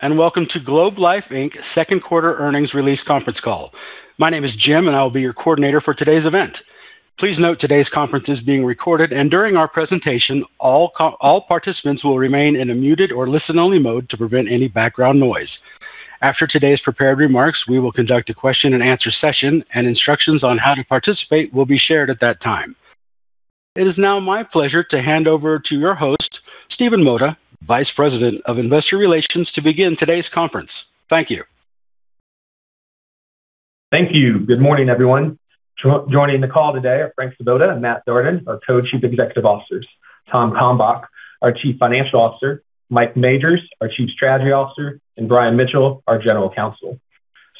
Hello, welcome to Globe Life Inc.'s second quarter earnings release conference call. My name is Jim, and I will be your coordinator for today's event. Please note today's conference is being recorded, and during our presentation, all participants will remain in a muted or listen-only mode to prevent any background noise. After today's prepared remarks, we will conduct a question and answer session, and instructions on how to participate will be shared at that time. It is now my pleasure to hand over to your host, Stephen Mota, Vice President of Investor Relations, to begin today's conference. Thank you. Thank you. Good morning, everyone. Joining the call today are Frank Svoboda and Matt Darden, our Co-Chief Executive Officers, Tom Kalmbach, our Chief Financial Officer, Mike Magers, our Chief Strategy Officer, and Brian Mitchell, our General Counsel.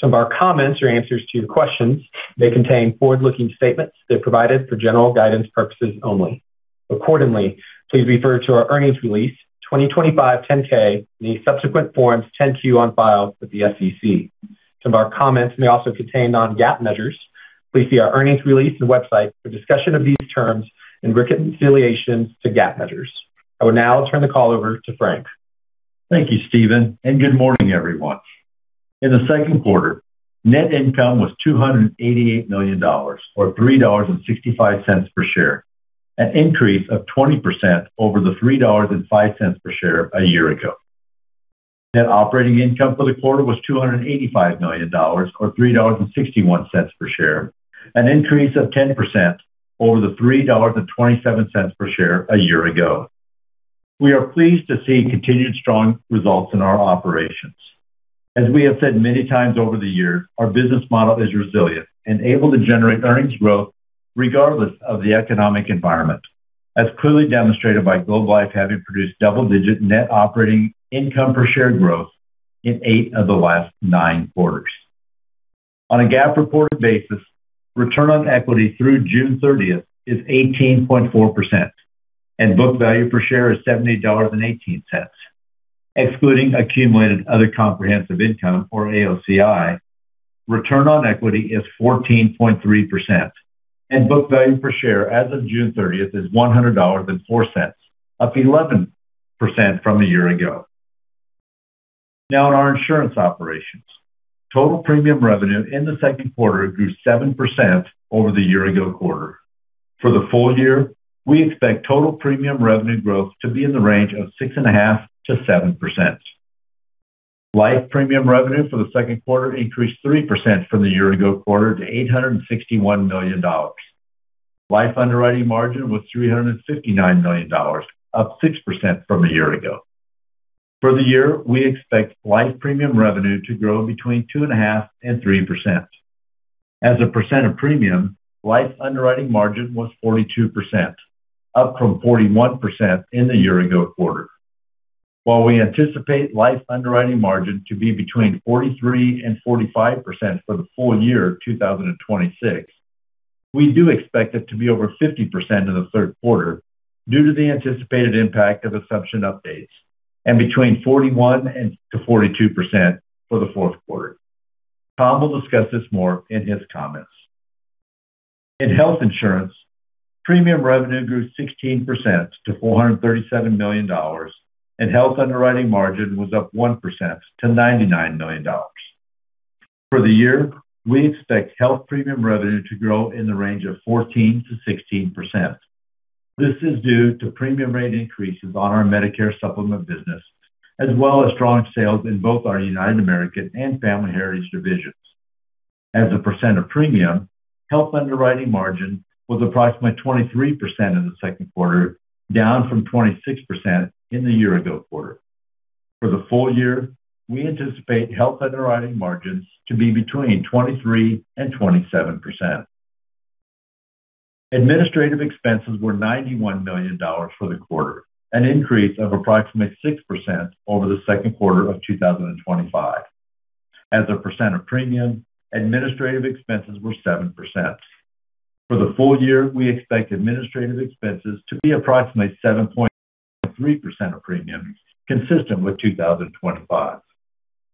Some of our comments or answers to your questions may contain forward-looking statements that are provided for general guidance purposes only. Accordingly, please refer to our earnings release, 2025 10-K, and any subsequent forms 10-Q on file with the SEC. Some of our comments may also contain non-GAAP measures. Please see our earnings release and website for discussion of these terms and reconciliation to GAAP measures. I will now turn the call over to Frank. Thank you, Stephen, good morning, everyone. In the second quarter, net income was $288 million, or $3.65 per share, an increase of 20% over the $3.05 per share a year ago. Net operating income for the quarter was $285 million, or $3.61 per share, an increase of 10% over the $3.27 per share a year ago. We are pleased to see continued strong results in our operations. As we have said many times over the years, our business model is resilient and able to generate earnings growth regardless of the economic environment. That's clearly demonstrated by Globe Life having produced double-digit net operating income per share growth in eight of the last nine quarters. On a GAAP report basis, return on equity through June 30th is 18.4%, and book value per share is $70.18. Excluding accumulated other comprehensive income, or AOCI, return on equity is 14.3%, and book value per share as of June 30th is $100.04, up 11% from a year ago. In our insurance operations, total premium revenue in the second quarter grew 7% over the year-ago quarter. For the full year, we expect total premium revenue growth to be in the range of 6.5%-7%. Life premium revenue for the second quarter increased 3% from the year-ago quarter to $861 million. Life underwriting margin was $359 million, up 6% from a year ago. For the year, we expect life premium revenue to grow between 2.5% and 3%. As a percent of premium, life underwriting margin was 42%, up from 41% in the year-ago quarter. While we anticipate life underwriting margin to be between 43% and 45% for the full year 2026, we do expect it to be over 50% in the third quarter due to the anticipated impact of assumption updates and between 41% and 42% for the fourth quarter. Tom will discuss this more in his comments. In health insurance, premium revenue grew 16% to $437 million, and health underwriting margin was up 1% to $99 million. For the year, we expect health premium revenue to grow in the range of 14%-16%. This is due to premium rate increases on our Medicare Supplement business, as well as strong sales in both our United American and Family Heritage divisions. As a percent of premium, health underwriting margin was approximately 23% in the second quarter, down from 26% in the year-ago quarter. For the full year, we anticipate health underwriting margins to be between 23% and 27%. Administrative expenses were $91 million for the quarter, an increase of approximately 6% over the second quarter of 2025. As a percent of premium, administrative expenses were 7%. For the full year, we expect administrative expenses to be approximately 7.3% of premium, consistent with 2025.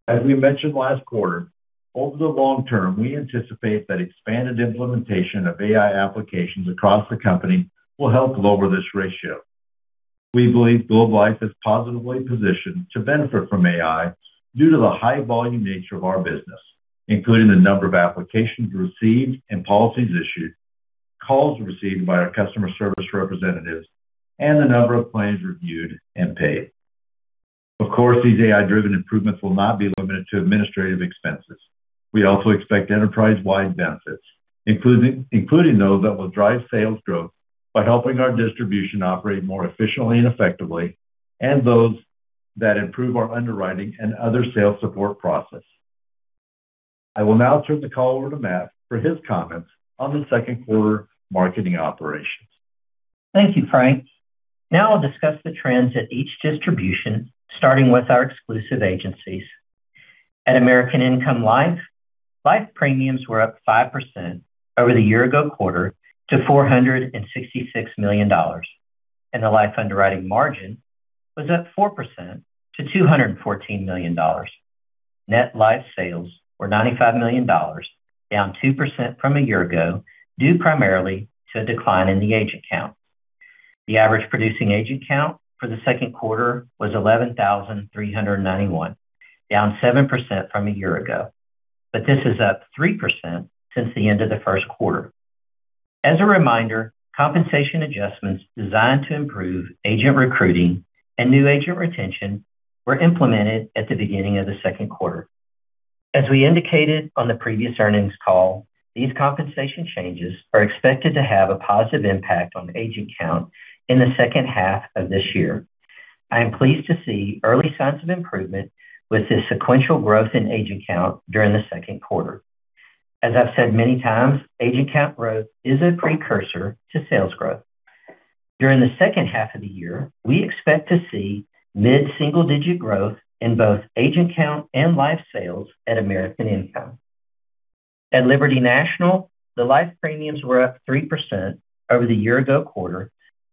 As we mentioned last quarter, over the long term, we anticipate that expanded implementation of AI applications across the company will help lower this ratio. We believe Globe Life is positively positioned to benefit from AI due to the high volume nature of our business, including the number of applications received and policies issued, calls received by our customer service representatives, and the number of claims reviewed and paid. Of course, these AI-driven improvements will not be limited to administrative expenses. We also expect enterprise-wide benefits, including those that will drive sales growth by helping our distribution operate more efficiently and effectively and those that improve our underwriting and other sales support process. I will now turn the call over to Matt for his comments on the second quarter marketing operations. Thank you, Frank. Now I'll discuss the trends at each distribution, starting with our exclusive agencies. At American Income Life, life premiums were up 5% over the year-ago quarter to $466 million, and the life underwriting margin was up 4% to $214 million. Net life sales were $95 million, down 2% from a year ago due primarily to a decline in the agent count. The average producing agent count for the second quarter was 11,391, down 7% from a year ago, but this is up 3% since the end of the first quarter. As a reminder, compensation adjustments designed to improve agent recruiting and new agent retention were implemented at the beginning of the second quarter. As we indicated on the previous earnings call, these compensation changes are expected to have a positive impact on agent count in the second half of this year. I am pleased to see early signs of improvement with this sequential growth in agent count during the second quarter. As I've said many times, agent count growth is a precursor to sales growth. During the second half of the year, we expect to see mid-single-digit growth in both agent count and life sales at American Income. At Liberty National, the life premiums were up 3% over the year ago quarter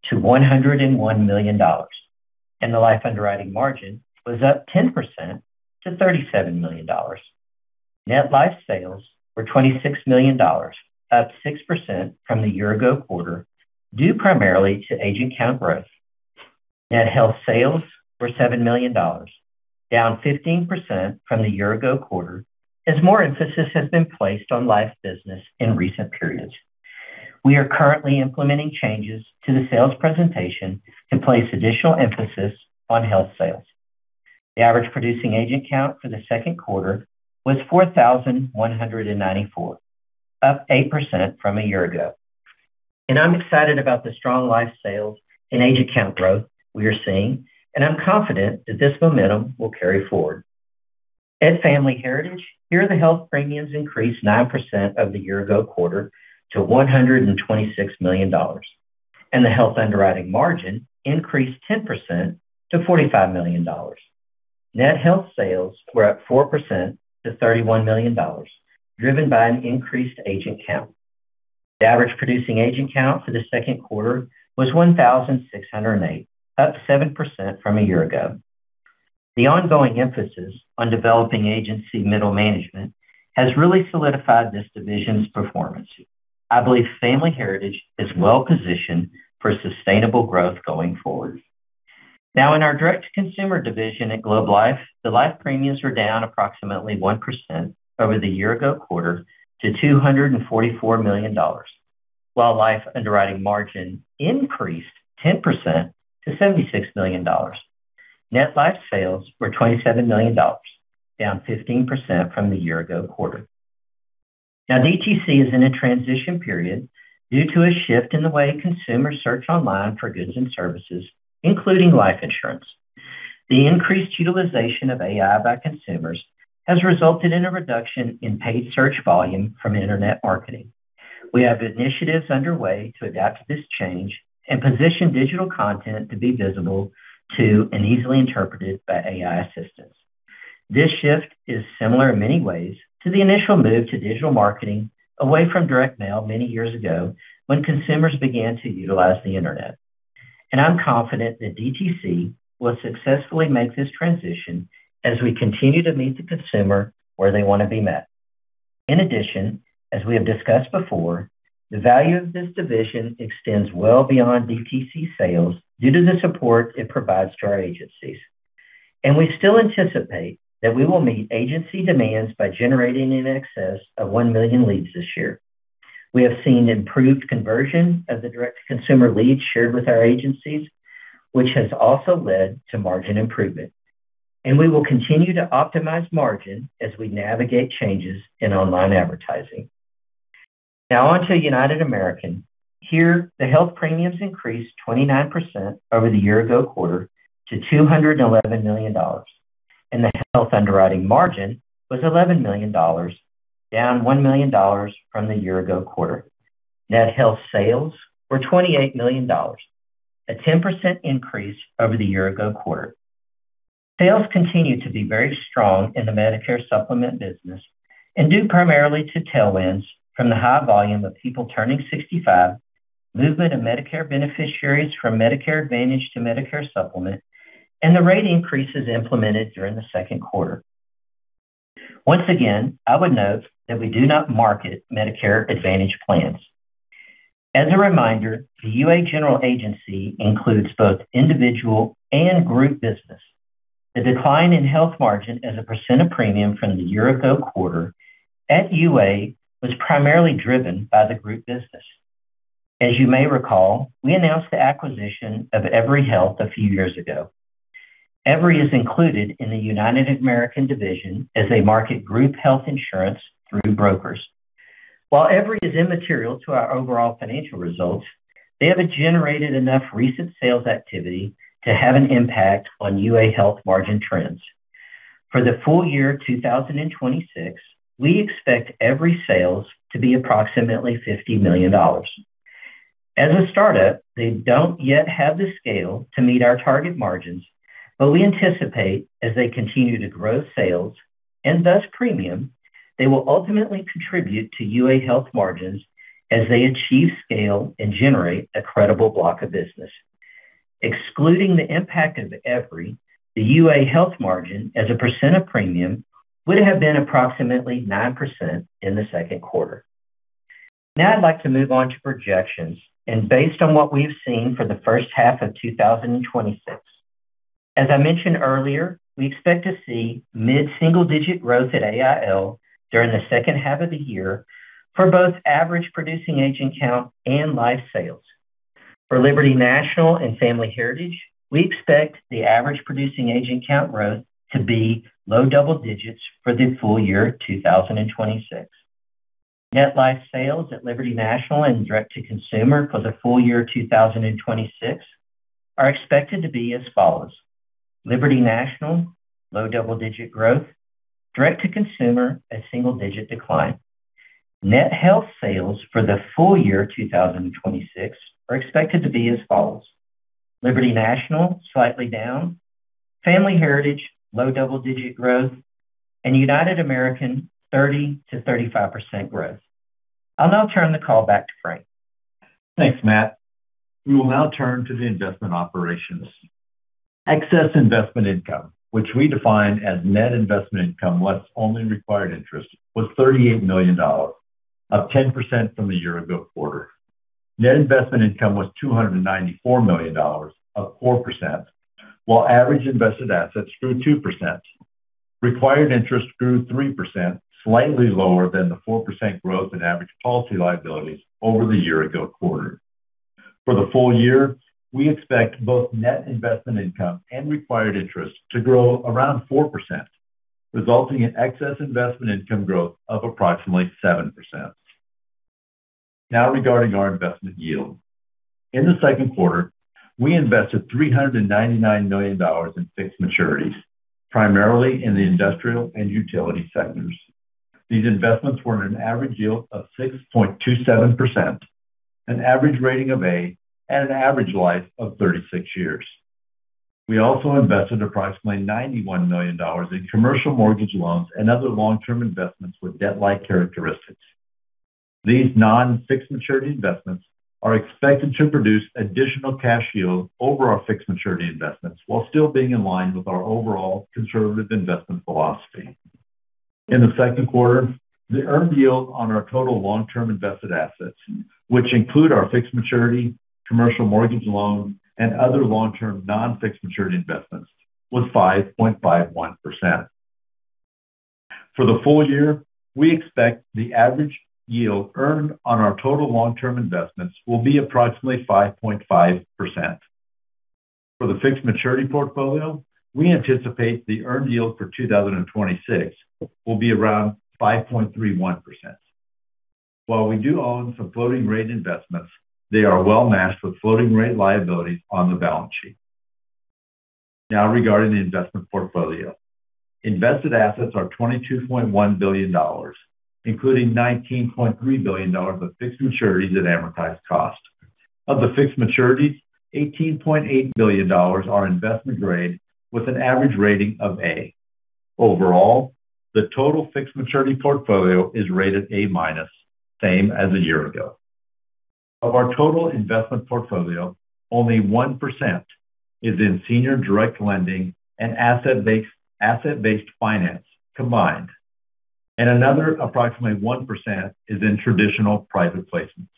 to $101 million, and the life underwriting margin was up 10% to $37 million. Net life sales were $26 million, up 6% from the year ago quarter, due primarily to agent count growth. Net health sales were $7 million, down 15% from the year ago quarter, as more emphasis has been placed on life business in recent periods. We are currently implementing changes to the sales presentation to place additional emphasis on health sales. The average producing agent count for the second quarter was 4,194, up 8% from a year ago. I'm excited about the strong life sales and agent count growth we are seeing, and I'm confident that this momentum will carry forward. At Family Heritage, here the health premiums increased 9% of the year ago quarter to $126 million, and the health underwriting margin increased 10% to $45 million. Net health sales were up 4% to $31 million, driven by an increased agent count. The average producing agent count for the second quarter was 1,608, up 7% from a year ago. The ongoing emphasis on developing agency middle management has really solidified this division's performance. I believe Family Heritage is well-positioned for sustainable growth going forward. In our direct-to-consumer division at Globe Life, the life premiums were down approximately 1% over the year ago quarter to $244 million, while life underwriting margin increased 10% to $76 million. Net life sales were $27 million, down 15% from the year ago quarter. DTC is in a transition period due to a shift in the way consumers search online for goods and services, including life insurance. The increased utilization of AI by consumers has resulted in a reduction in paid search volume from internet marketing. We have initiatives underway to adapt to this change and position digital content to be visible to and easily interpreted by AI assistants. This shift is similar in many ways to the initial move to digital marketing away from direct mail many years ago when consumers began to utilize the internet. I'm confident that DTC will successfully make this transition as we continue to meet the consumer where they want to be met. In addition, as we have discussed before, the value of this division extends well beyond DTC sales due to the support it provides to our agencies. We still anticipate that we will meet agency demands by generating in excess of 1 million leads this year. We have seen improved conversion of the direct-to-consumer leads shared with our agencies, which has also led to margin improvement, and we will continue to optimize margin as we navigate changes in online advertising. On to United American. Here, the health premiums increased 29% over the year ago quarter to $211 million, and the health underwriting margin was $11 million, down $1 million from the year ago quarter. Net health sales were $28 million, a 10% increase over the year ago quarter. Sales continue to be very strong in the Medicare Supplement business due primarily to tailwinds from the high volume of people turning 65, movement of Medicare beneficiaries from Medicare Advantage to Medicare Supplement, and the rate increases implemented during the second quarter. Once again, I would note that we do not market Medicare Advantage plans. As a reminder, the UA General Agency includes both individual and group business. The decline in health margin as a percent of premium from the year ago quarter at UA was primarily driven by the group business. As you may recall, we announced the acquisition of Evry Health a few years ago. Evry is included in the United American division as they market group health insurance through brokers. While Evry is immaterial to our overall financial results, they haven't generated enough recent sales activity to have an impact on UA health margin trends. For the full year 2026, we expect Evry sales to be approximately $50 million. As a startup, they don't yet have the scale to meet our target margins, but we anticipate as they continue to grow sales, and thus premium, they will ultimately contribute to UA health margins as they achieve scale and generate a credible block of business. Excluding the impact of Evry, the UA health margin as a percent of premium would have been approximately 9% in the second quarter. I'd like to move on to projections based on what we've seen for the first half of 2026. As I mentioned earlier, we expect to see mid-single-digit growth at AIL during the second half of the year for both average producing agent count and life sales. For Liberty National and Family Heritage, we expect the average producing agent count growth to be low double digits for the full year 2026. Net life sales at Liberty National and direct-to-consumer for the full year 2026 are expected to be as follows: Liberty National, low double-digit growth, direct-to-consumer, a single-digit decline. Net health sales for the full year 2026 are expected to be as follows: Liberty National, slightly down, Family Heritage, low double-digit growth, and United American, 30%-35% growth. I'll now turn the call back to Frank. Thanks, Matt. We will now turn to the investment operations. Excess investment income, which we define as net investment income less only required interest, was $38 million, up 10% from the year-ago quarter. Net investment income was $294 million, up 4%, while average invested assets grew 2%. Required interest grew 3%, slightly lower than the 4% growth in average policy liabilities over the year-ago quarter. For the full year, we expect both net investment income and required interest to grow around 4%, resulting in excess investment income growth of approximately 7%. Regarding our investment yield. In the second quarter, we invested $399 million in fixed maturities, primarily in the industrial and utility sectors. These investments were at an average yield of 6.27%, an average rating of A, and an average life of 36 years. We also invested approximately $91 million in commercial mortgage loans and other long-term investments with debt-like characteristics. These non-fixed maturity investments are expected to produce additional cash yield over our fixed maturity investments while still being in line with our overall conservative investment philosophy. In the second quarter, the earned yield on our total long-term invested assets, which include our fixed maturity, commercial mortgage loan, and other long-term non-fixed maturity investments, was 5.51%. For the full year, we expect the average yield earned on our total long-term investments will be approximately 5.5%. For the fixed maturity portfolio, we anticipate the earned yield for 2026 will be around 5.31%. While we do own some floating rate investments, they are well-matched with floating rate liabilities on the balance sheet. Regarding the investment portfolio, invested assets are $22.1 billion, including $19.3 billion of fixed maturities at amortized cost. Of the fixed maturities, $18.8 billion are investment grade with an average rating of A. Overall, the total fixed maturity portfolio is rated A minus, same as a year ago. Of our total investment portfolio, only 1% is in senior direct lending and asset-based finance combined, and another approximately 1% is in traditional private placements.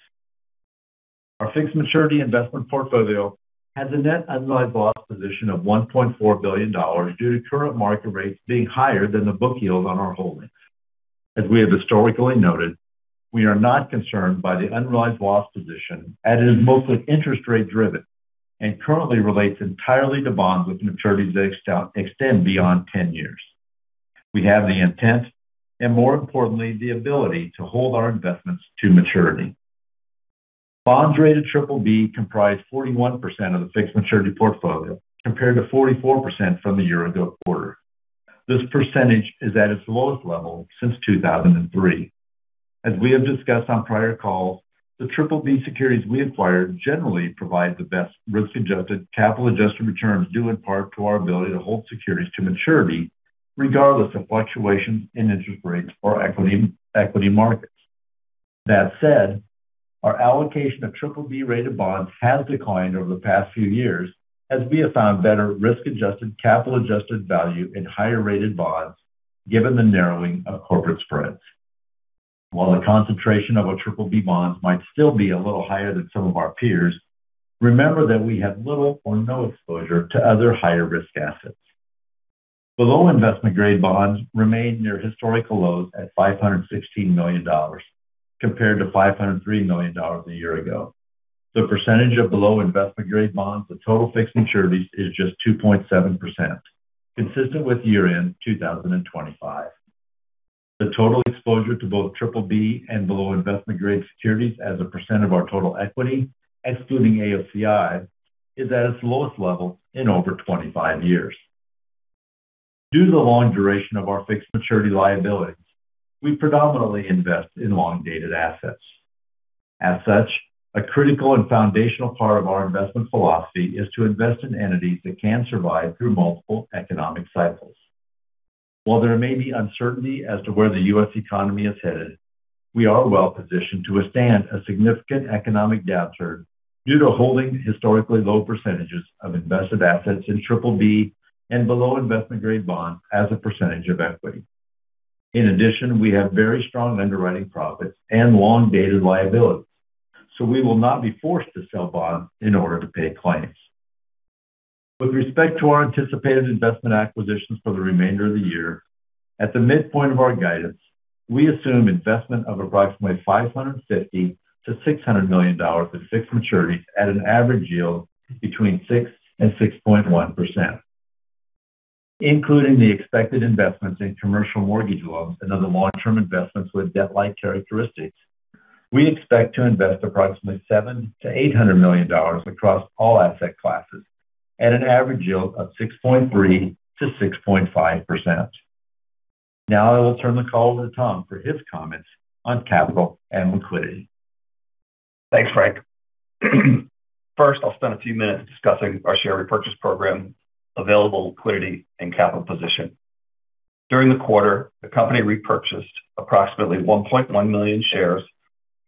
Our fixed maturity investment portfolio has a net unrealized loss position of $1.4 billion due to current market rates being higher than the book yield on our holdings. As we have historically noted, we are not concerned by the unrealized loss position as it is mostly interest rate driven and currently relates entirely to bonds with maturities that extend beyond 10 years. We have the intent and, more importantly, the ability to hold our investments to maturity. Bonds rated BBB comprise 41% of the fixed maturity portfolio, compared to 44% from the year-ago quarter. This percentage is at its lowest level since 2003. As we have discussed on prior calls, the BBB securities we acquire generally provide the best risk-adjusted, capital-adjusted returns, due in part to our ability to hold securities to maturity regardless of fluctuations in interest rates or equity markets. That said, our allocation of BBB-rated bonds has declined over the past few years as we have found better risk-adjusted, capital-adjusted value in higher-rated bonds given the narrowing of corporate spreads. While the concentration of our BBB bonds might still be a little higher than some of our peers, remember that we have little or no exposure to other higher-risk assets. Below investment-grade bonds remain near historical lows at $516 million, compared to $503 million a year ago. The percentage of below investment-grade bonds of total fixed maturities is just 2.7%, consistent with year-end 2025. The total exposure to both BBB and below investment-grade securities as a percent of our total equity, excluding AOCI, is at its lowest level in over 25 years. Due to the long duration of our fixed maturity liabilities, we predominantly invest in long-dated assets. As such, a critical and foundational part of our investment philosophy is to invest in entities that can survive through multiple economic cycles. While there may be uncertainty as to where the U.S. economy is headed, we are well-positioned to withstand a significant economic downturn due to holding historically low percentages of invested assets in BBB and below investment grade bonds as a percentage of equity. In addition, we have very strong underwriting profits and long-dated liabilities, so we will not be forced to sell bonds in order to pay claims. With respect to our anticipated investment acquisitions for the remainder of the year, at the midpoint of our guidance, we assume investment of approximately $550 million-$600 million in fixed maturities at an average yield between 6% and 6.1%. Including the expected investments in commercial mortgage loans and other long-term investments with debt-like characteristics, we expect to invest approximately $700 million-$800 million across all asset classes at an average yield of 6.3%-6.5%. I will turn the call over to Tom for his comments on capital and liquidity. Thanks, Frank. I'll spend a few minutes discussing our share repurchase program, available liquidity, and capital position. During the quarter, the company repurchased approximately 1.1 million shares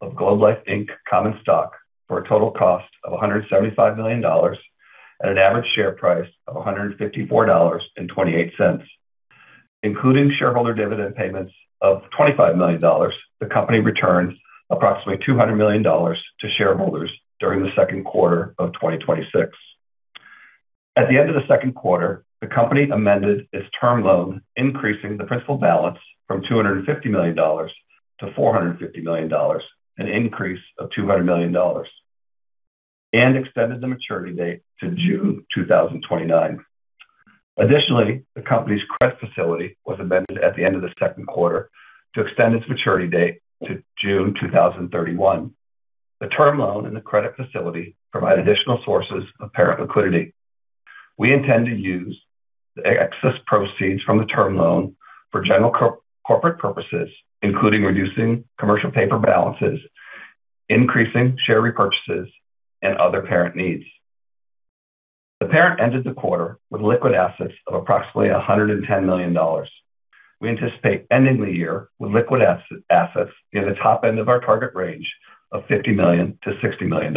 of Globe Life Inc. common stock for a total cost of $175 million at an average share price of $154.28. Including shareholder dividend payments of $25 million, the company returned approximately $200 million to shareholders during the second quarter of 2026. At the end of the second quarter, the company amended its term loan, increasing the principal balance from $250 million to $450 million, an increase of $200 million, and extended the maturity date to June 2029. Additionally, the company's credit facility was amended at the end of the second quarter to extend its maturity date to June 2031. The term loan and the credit facility provide additional sources of parent liquidity. We intend to use the excess proceeds from the term loan for general corporate purposes, including reducing commercial paper balances, increasing share repurchases, and other parent needs. The parent ended the quarter with liquid assets of approximately $110 million. We anticipate ending the year with liquid assets in the top end of our target range of $50 million-$60 million.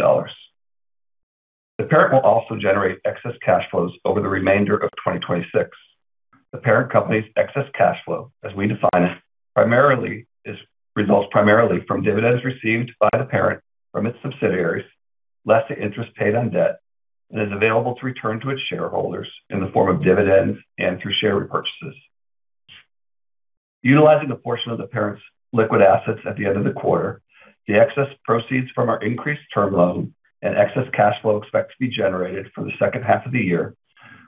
The parent will also generate excess cash flows over the remainder of 2026. The parent company's excess cash flow, as we define it, results primarily from dividends received by the parent from its subsidiaries, less the interest paid on debt, and is available to return to its shareholders in the form of dividends and through share repurchases. Utilizing a portion of the parent's liquid assets at the end of the quarter, the excess proceeds from our increased term loan and excess cash flow expected to be generated for the second half of the year,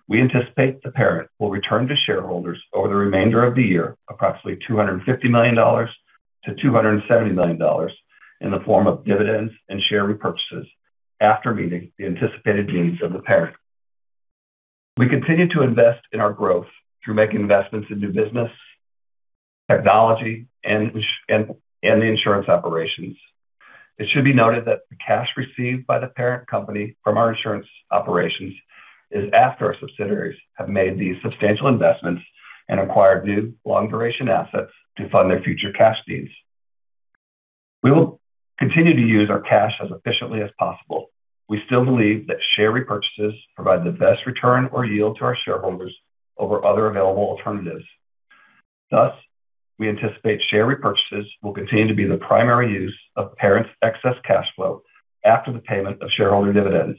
we anticipate the parent will return to shareholders over the remainder of the year approximately $250 million-$270 million in the form of dividends and share repurchases after meeting the anticipated needs of the parent. We continue to invest in our growth through making investments in new business, technology, and the insurance operations. It should be noted that the cash received by the parent company from our insurance operations is after our subsidiaries have made these substantial investments and acquired new long-duration assets to fund their future cash needs. We will continue to use our cash as efficiently as possible. We still believe that share repurchases provide the best return or yield to our shareholders over other available alternatives. Thus, we anticipate share repurchases will continue to be the primary use of parent's excess cash flow after the payment of shareholder dividends.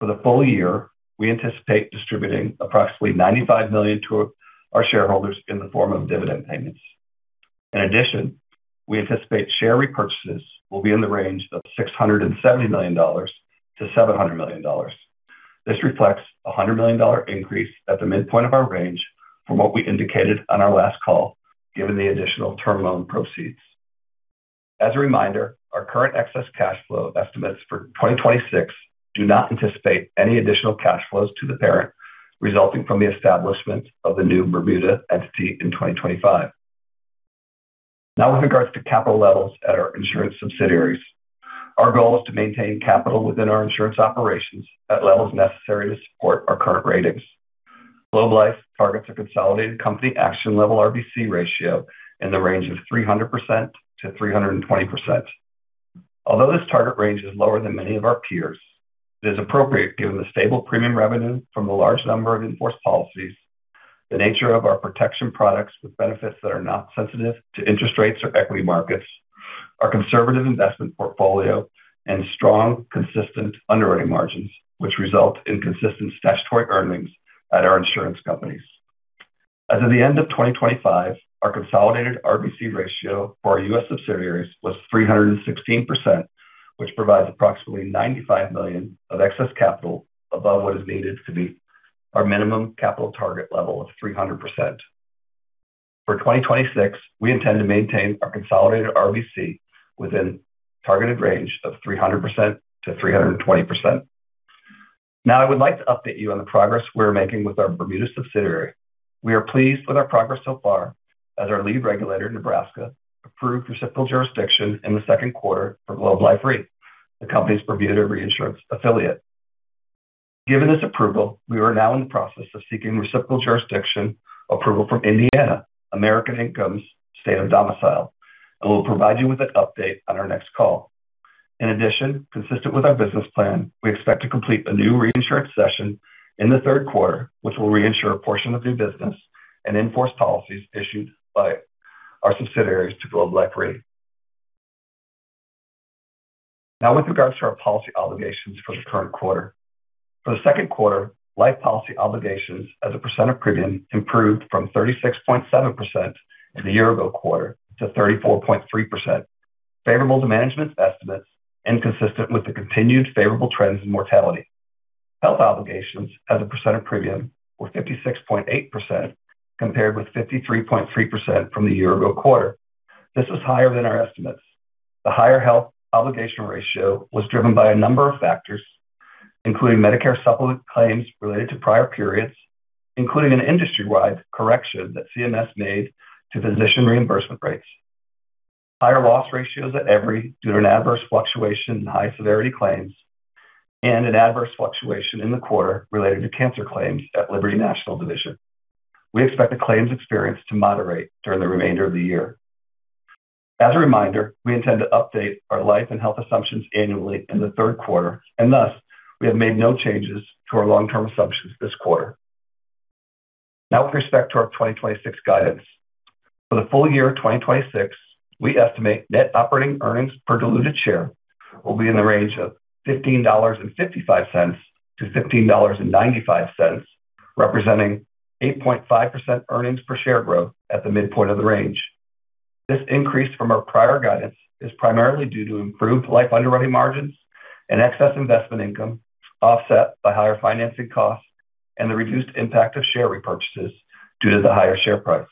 For the full year, we anticipate distributing approximately $95 million to our shareholders in the form of dividend payments. In addition, we anticipate share repurchases will be in the range of $670 million-$700 million. This reflects a $100 million increase at the midpoint of our range from what we indicated on our last call, given the additional term loan proceeds. As a reminder, our current excess cash flow estimates for 2026 do not anticipate any additional cash flows to the parent resulting from the establishment of the new Bermuda entity in 2025. Now with regards to capital levels at our insurance subsidiaries, our goal is to maintain capital within our insurance operations at levels necessary to support our current ratings. Globe Life targets a consolidated company action level RBC ratio in the range of 300%-320%. Although this target range is lower than many of our peers, it is appropriate given the stable premium revenue from the large number of in-force policies, the nature of our protection products with benefits that are not sensitive to interest rates or equity markets, our conservative investment portfolio, and strong, consistent underwriting margins, which result in consistent statutory earnings at our insurance companies. As of the end of 2025, our consolidated RBC ratio for our U.S. subsidiaries was 316%, which provides approximately $95 million of excess capital above what is needed to meet our minimum capital target level of 300%. For 2026, we intend to maintain our consolidated RBC within targeted range of 300%-320%. Now I would like to update you on the progress we're making with our Bermuda subsidiary. We are pleased with our progress so far as our lead regulator in Nebraska approved reciprocal jurisdiction in the second quarter for Globe Life Re, the company's Bermuda reinsurance affiliate. Given this approval, we are now in the process of seeking reciprocal jurisdiction approval from Indiana, American Income's state of domicile, and we'll provide you with an update on our next call. In addition, consistent with our business plan, we expect to complete a new reinsurance cession in the third quarter, which will reinsure a portion of new business and in-force policies issued by our subsidiaries to Globe Life Re. Now, with regards to our policy obligations for the current quarter. For the second quarter, life policy obligations as a percent of premium improved from 36.7% in the year-ago quarter to 34.3%, favorable to management's estimates and consistent with the continued favorable trends in mortality. Health obligations as a percent of premium were 56.8% compared with 53.3% from the year-ago quarter. This was higher than our estimates. The higher health obligation ratio was driven by a number of factors, including Medicare Supplement claims related to prior periods, including an industry-wide correction that CMS made to physician reimbursement rates, higher loss ratios at Evry due to an adverse fluctuation in high-severity claims, and an adverse fluctuation in the quarter related to cancer claims at Liberty National division. We expect the claims experience to moderate during the remainder of the year. As a reminder, we intend to update our life and health assumptions annually in the third quarter, and thus, we have made no changes to our long-term assumptions this quarter. With respect to our 2026 guidance. For the full year of 2026, we estimate net operating earnings per diluted share will be in the range of $15.55-$15.95, representing 8.5% earnings per share growth at the midpoint of the range. This increase from our prior guidance is primarily due to improved life underwriting margins and excess investment income, offset by higher financing costs and the reduced impact of share repurchases due to the higher share price.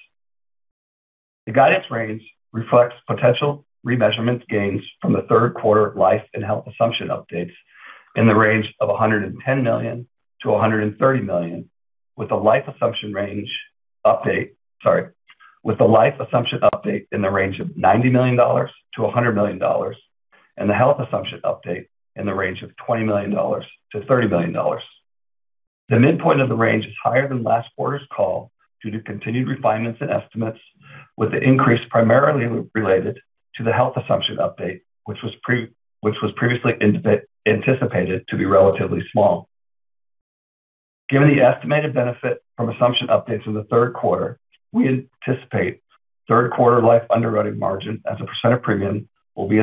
The guidance range reflects potential remeasurement gains from the third quarter life and health assumption updates in the range of $110 million-$130 million, with a life assumption update in the range of $90 million-$100 million, and the health assumption update in the range of $20 million-$30 million. The midpoint of the range is higher than last quarter's call due to continued refinements in estimates, with the increase primarily related to the health assumption update, which was previously anticipated to be relatively small. Given the estimated benefit from assumption updates in the third quarter, we anticipate third quarter life underwriting margin as a percent of premium will be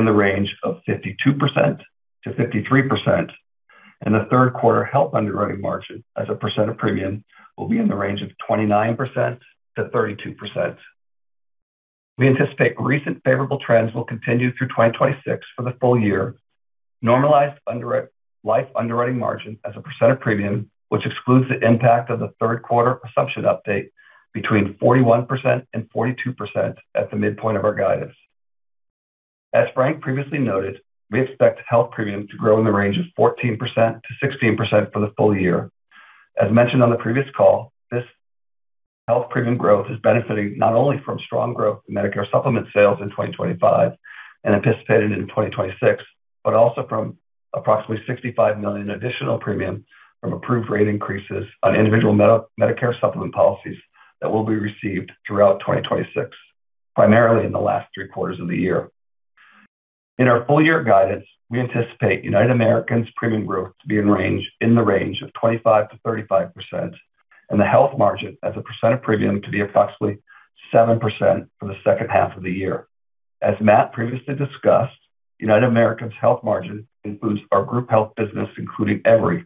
in the range of 52%-53%, and the third quarter health underwriting margin as a percent of premium will be in the range of 29%-32%. We anticipate recent favorable trends will continue through 2026 for the full year, normalized life underwriting margin as a percent of premium, which excludes the impact of the third quarter assumption update between 41%-42% at the midpoint of our guidance. As Frank previously noted, we expect health premium to grow in the range of 14%-16% for the full year. As mentioned on the previous call, this health premium growth is benefiting not only from strong growth in Medicare Supplement sales in 2025 and anticipated in 2026, but also from approximately $65 million additional premium from approved rate increases on individual Medicare Supplement policies that will be received throughout 2026, primarily in the last three quarters of the year. In our full year guidance, we anticipate United Americans premium growth to be in the range of 25%-35%, and the health margin as a percent of premium to be approximately 7% for the second half of the year. As Matt previously discussed, United Americans health margin includes our group health business, including Evry Health.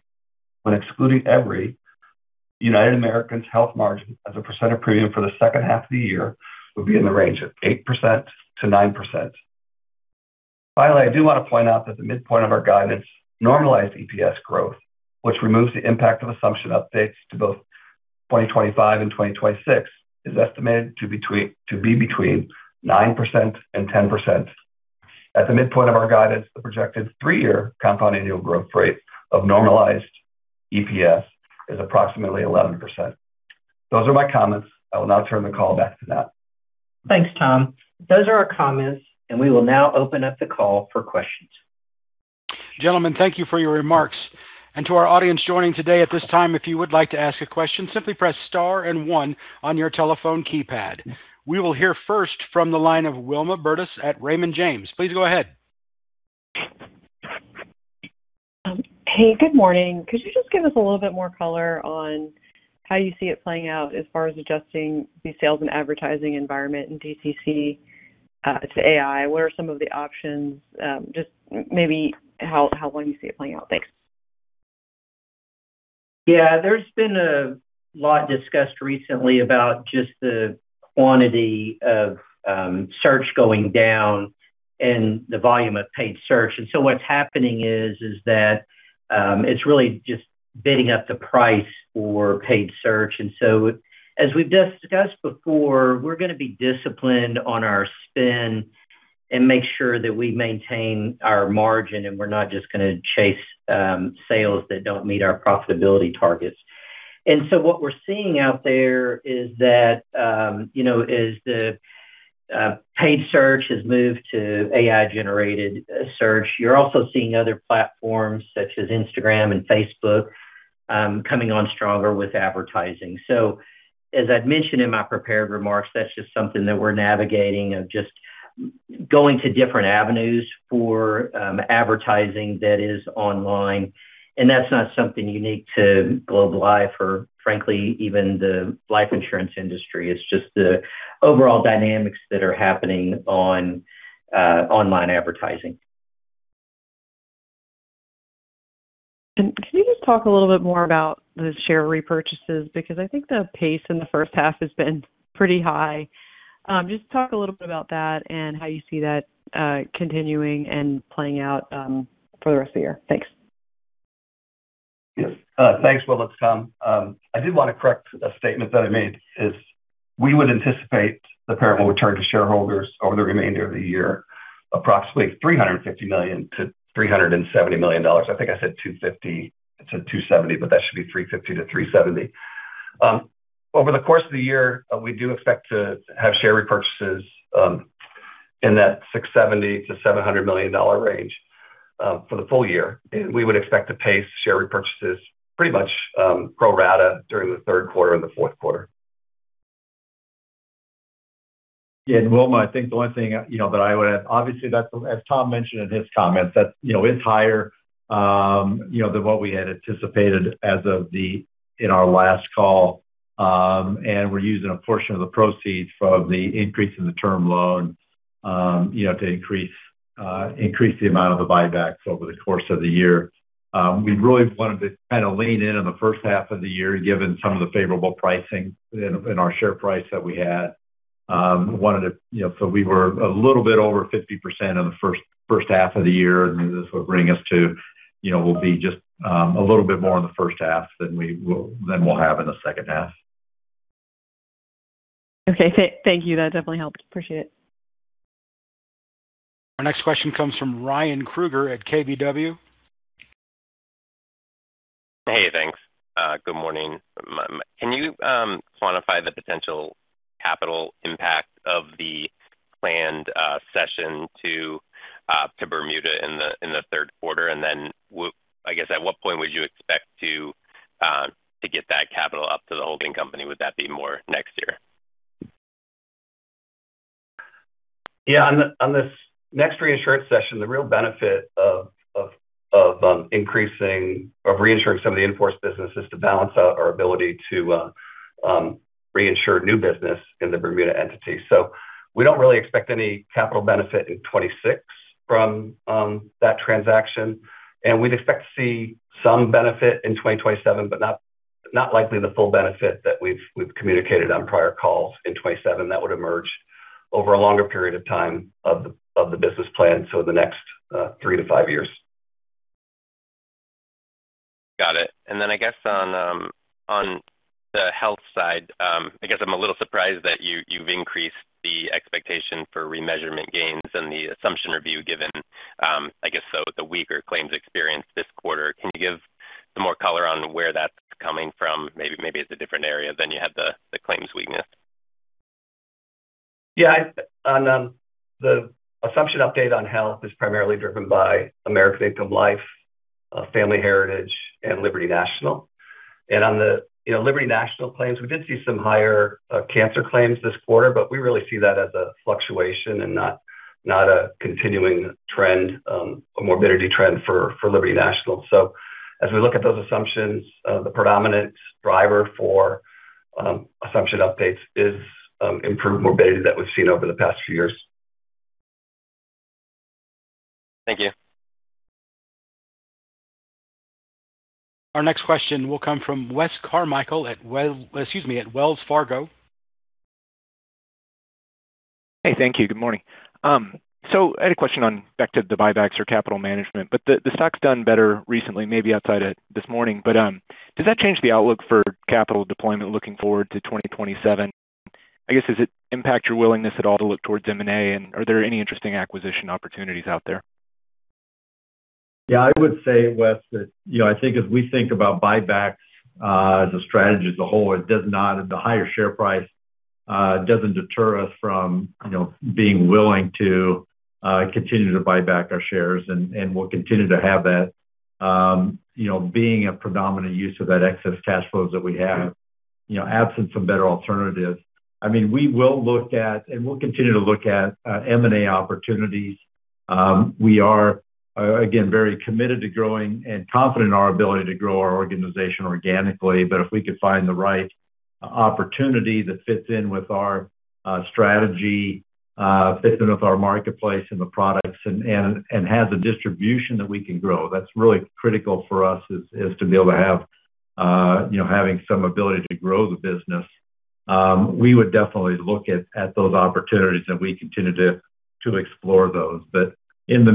When excluding Evry Health, United Americans health margin as a percent of premium for the second half of the year will be in the range of 8%-9%. Finally, I do want to point out that the midpoint of our guidance normalized EPS growth, which removes the impact of assumption updates to both 2025 and 2026, is estimated to be between 9% and 10%. At the midpoint of our guidance, the projected three-year compound annual growth rate of normalized EPS is approximately 11%. Those are my comments. I will now turn the call back to Matt. Thanks, Tom. Those are our comments. We will now open up the call for questions. Gentlemen, thank you for your remarks. To our audience joining today, at this time, if you would like to ask a question, simply press star 1 on your telephone keypad. We will hear first from the line of Wilma Burdis at Raymond James. Please go ahead. Hey, good morning. Could you just give us a little bit more color on how you see it playing out as far as adjusting the sales and advertising environment in DTC to AI? What are some of the options? Just maybe how well you see it playing out. Thanks. Yeah. There's been a lot discussed recently about just the quantity of search going down and the volume of paid search. What's happening is, it's really just bidding up the price for paid search. As we've discussed before, we're going to be disciplined on our spend and make sure that we maintain our margin, and we're not just going to chase sales that don't meet our profitability targets. What we're seeing out there is that as the paid search has moved to AI-generated search, you're also seeing other platforms such as Instagram and Facebook coming on stronger with advertising. As I'd mentioned in my prepared remarks, that's just something that we're navigating of just going to different avenues for advertising that is online, and that's not something unique to Globe Life, or frankly, even the life insurance industry. It's just the overall dynamics that are happening on online advertising. Can you just talk a little bit more about the share repurchases? Because I think the pace in the first half has been pretty high. Just talk a little bit about that and how you see that continuing and playing out for the rest of the year. Thanks. Yes. Thanks, Wilma. Tom, I did want to correct a statement that I made, we would anticipate the parable return to shareholders over the remainder of the year, approximately $350 million-$370 million. I think I said $250 million-$270 million, but that should be $350 million-$370 million. Over the course of the year, we do expect to have share repurchases in that $670 million-$700 million range for the full year. We would expect to pace share repurchases pretty much pro rata during the third quarter and the fourth quarter. Yeah, Wilma, I think the one thing that I would add, obviously as Tom mentioned in his comments, that it's higher than what we had anticipated in our last call. We're using a portion of the proceeds from the increase in the term loan to increase the amount of the buybacks over the course of the year. We really wanted to kind of lean in on the first half of the year, given some of the favorable pricing in our share price that we had. We were a little bit over 50% in the first half of the year, and this would bring us to, we'll be just a little bit more in the first half than we'll have in the second half. Okay, thank you. That definitely helped. Appreciate it. Our next question comes from Ryan Krueger at KBW. Hey, thanks. Good morning. Can you quantify the potential capital impact of the planned cession to Bermuda in the third quarter? Then, I guess, at what point would you expect to get that capital up to the holding company? Would that be more next year? On this next reinsurance session, the real benefit of reinsuring some of the in-force business is to balance out our ability to reinsure new business in the Bermuda entity. We don't really expect any capital benefit in 2026 from that transaction, and we'd expect to see some benefit in 2027, but not likely the full benefit that we've communicated on prior calls in 2027. That would emerge over a longer period of time of the business plan, so the next three to five years. Got it. Then I guess on the health side, I guess I'm a little surprised that you've increased the expectation for remeasurement gains in the assumption review, given, I guess, the weaker claims experience this quarter. Can you give some more color on where that's coming from? Maybe it's a different area than you had the claims weakness. On the assumption update on health is primarily driven by American Income Life, Family Heritage, and Liberty National. On the Liberty National claims, we did see some higher cancer claims this quarter, but we really see that as a fluctuation and not a continuing trend, a morbidity trend for Liberty National. As we look at those assumptions, the predominant driver for assumption updates is improved morbidity that we've seen over the past few years. Thank you. Our next question will come from Wes Carmichael at Wells Fargo. Hey, thank you. Good morning. I had a question on back to the buybacks or capital management, the stock's done better recently, maybe outside this morning. Does that change the outlook for capital deployment looking forward to 2027? I guess, does it impact your willingness at all to look towards M&A, and are there any interesting acquisition opportunities out there? Yeah, I would say, Wes, that I think as we think about buybacks as a strategy as a whole, the higher share price doesn't deter us from being willing to continue to buy back our shares, and we'll continue to have that being a predominant use of that excess cash flows that we have, absent some better alternatives. We will look at, and we'll continue to look at M&A opportunities. We are, again, very committed to growing and confident in our ability to grow our organization organically. If we could find the right opportunity that fits in with our strategy, fits in with our marketplace and the products, and has a distribution that we can grow, that's really critical for us, is to be able to have some ability to grow the business. We would definitely look at those opportunities as we continue to explore those. In the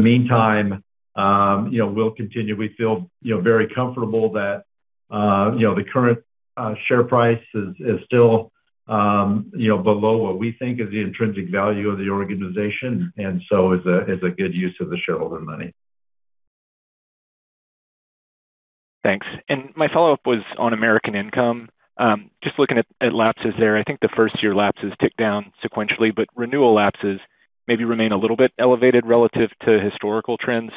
meantime, we feel very comfortable that the current share price is still below what we think is the intrinsic value of the organization, and so is a good use of the shareholder money. Thanks. My follow-up was on American Income. Just looking at lapses there, I think the first-year lapses ticked down sequentially, renewal lapses maybe remain a little bit elevated relative to historical trends.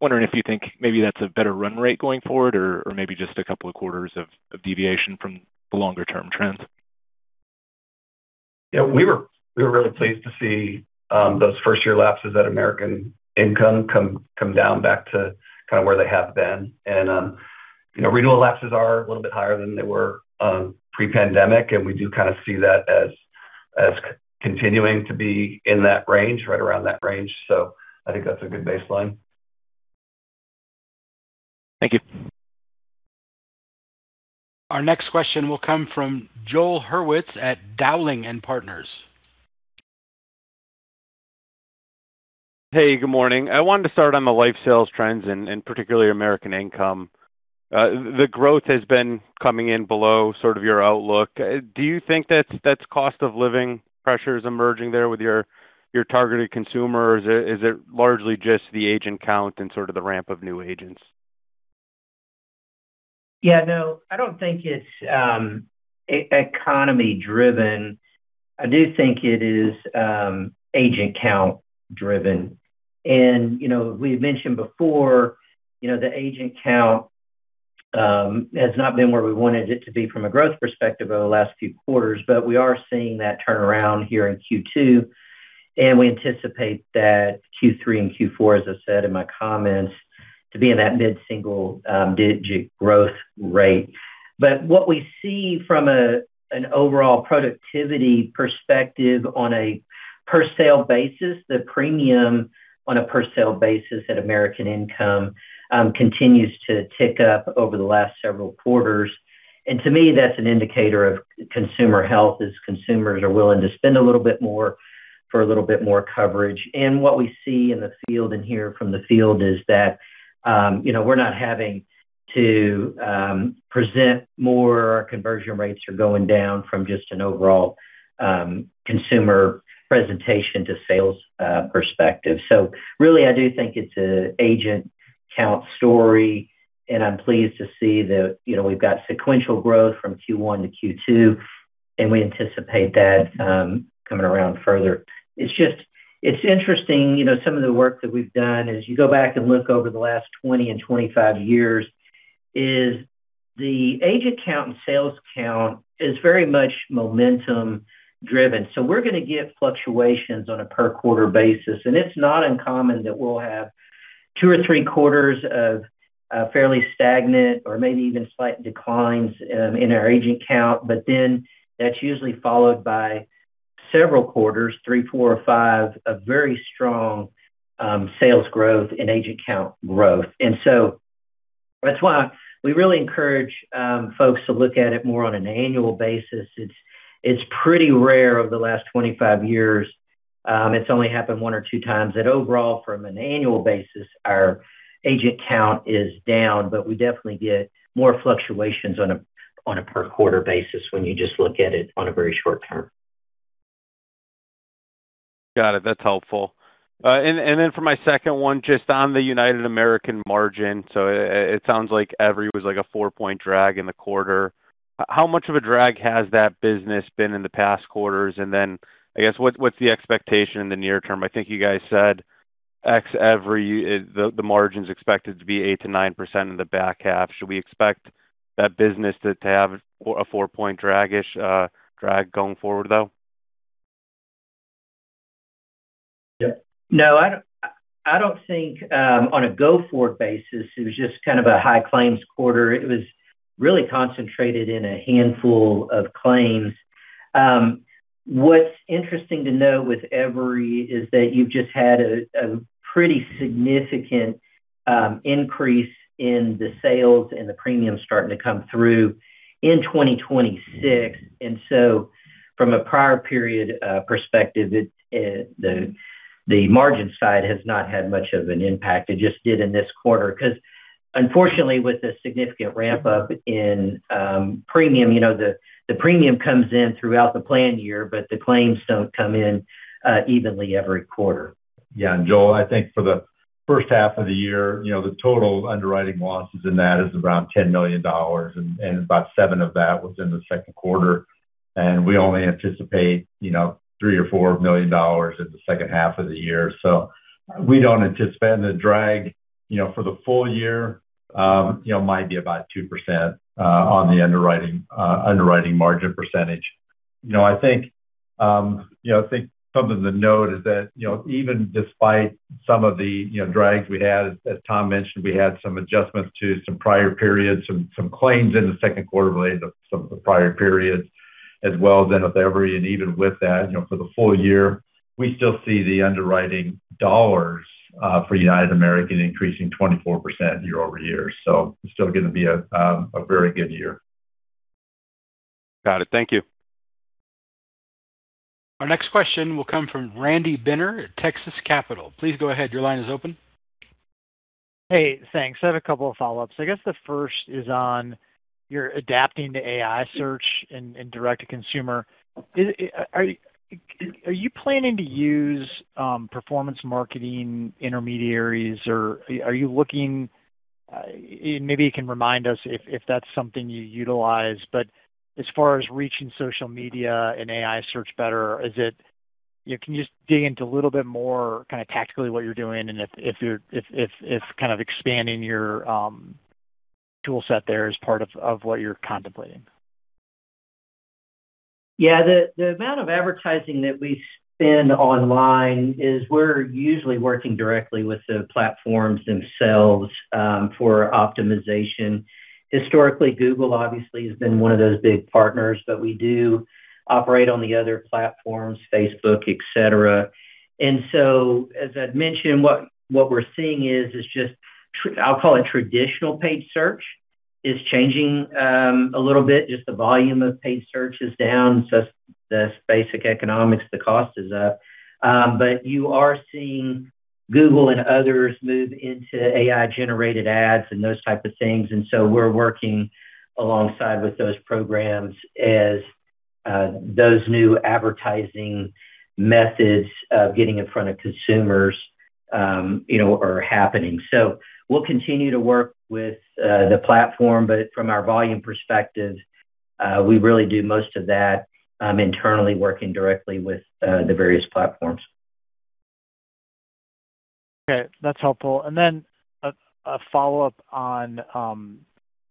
Wondering if you think maybe that's a better run rate going forward or maybe just a couple of quarters of deviation from the longer-term trends. Yeah, we were really pleased to see those first-year lapses at American Income come down back to kind of where they have been. Renewal lapses are a little bit higher than they were pre-pandemic, and we do kind of see that as continuing to be in that range, right around that range. I think that's a good baseline. Thank you. Our next question will come from Joel Hurwitz at Dowling & Partners. Hey, good morning. I wanted to start on the life sales trends, particularly American Income. The growth has been coming in below sort of your outlook. Do you think that's cost of living pressures emerging there with your targeted consumer, or is it largely just the agent count and sort of the ramp of new agents? Yeah, no, I don't think it's economy driven. I do think it is agent count driven. We've mentioned before, the agent count has not been where we wanted it to be from a growth perspective over the last few quarters, but we are seeing that turn around here in Q2, and we anticipate that Q3 and Q4, as I said in my comments, to be in that mid-single digit growth rate. What we see from an overall productivity perspective on a per sale basis, the premium on a per sale basis at American Income continues to tick up over the last several quarters. To me, that's an indicator of consumer health, as consumers are willing to spend a little bit more for a little bit more coverage. What we see in the field and hear from the field is that we're not having to present more. Our conversion rates are going down from just an overall consumer presentation to sales perspective. Really, I do think it's an agent count story, and I'm pleased to see that we've got sequential growth from Q1 to Q2, and we anticipate that coming around further. It's interesting, some of the work that we've done, as you go back and look over the last 20 and 25 years, is the agent count and sales count is very much momentum driven. We're going to get fluctuations on a per quarter basis, and it's not uncommon that we'll have two or three quarters of fairly stagnant or maybe even slight declines in our agent count. That's usually followed by several quarters, three, four or five, of very strong sales growth and agent count growth. That's why we really encourage folks to look at it more on an annual basis. It's pretty rare over the last 25 years. It's only happened one or two times that overall, from an annual basis, our agent count is down, we definitely get more fluctuations on a per quarter basis when you just look at it on a very short term. Got it. That's helpful. For my second one, just on the United American margin. It sounds like Evry was like a 4-point drag in the quarter. How much of a drag has that business been in the past quarters? I guess, what's the expectation in the near term? I think you guys said ex Evry, the margin's expected to be 8%-9% in the back half. Should we expect that business to have a 4-point drag-ish drag going forward, though? No, I don't think on a go-forward basis, it was just kind of a high claims quarter. It was really concentrated in a handful of claims. What's interesting to know with Evry is that you've just had a pretty significant increase in the sales and the premiums starting to come through in 2026. From a prior period perspective, the margin side has not had much of an impact. It just did in this quarter, because unfortunately, with the significant ramp-up in premium, the premium comes in throughout the plan year, but the claims don't come in evenly every quarter. Yeah. Joel, I think for the first half of the year, the total underwriting losses in that is around $10 million, and about $7 of that was in the second quarter. We only anticipate $3 million or $4 million in the second half of the year. We don't anticipate a drag for the full year. Might be about 2% on the underwriting margin percentage. I think something to note is that even despite some of the drags we had, as Tom mentioned, we had some adjustments to some prior periods, some claims in the second quarter related to some of the prior periods as well as in with Evry. Even with that, for the full year, we still see the underwriting dollars for United American increasing 24% year-over-year. It's still going to be a very good year. Got it. Thank you. Our next question will come from Randy Binner at Texas Capital. Please go ahead. Your line is open. Hey, thanks. I have a couple of follow-ups. I guess the first is on You're adapting to AI search and direct to consumer. Are you planning to use performance marketing intermediaries, or are you looking, maybe you can remind us if that's something you utilize. As far as reaching social media and AI search better, can you just dig into a little bit more tactically what you're doing and if kind of expanding your tool set there is part of what you're contemplating? Yeah. The amount of advertising that we spend online is we're usually working directly with the platforms themselves for optimization. Historically, Google obviously has been one of those big partners, but we do operate on the other platforms, Facebook, et cetera. As I'd mentioned, what we're seeing is just, I'll call it traditional paid search is changing a little bit. Just the volume of paid search is down. It's just basic economics, the cost is up. You are seeing Google and others move into AI-generated ads and those type of things. We're working alongside with those programs as those new advertising methods of getting in front of consumers are happening. We'll continue to work with the platform, but from our volume perspective, we really do most of that internally working directly with the various platforms. Okay. That's helpful. Then a follow-up on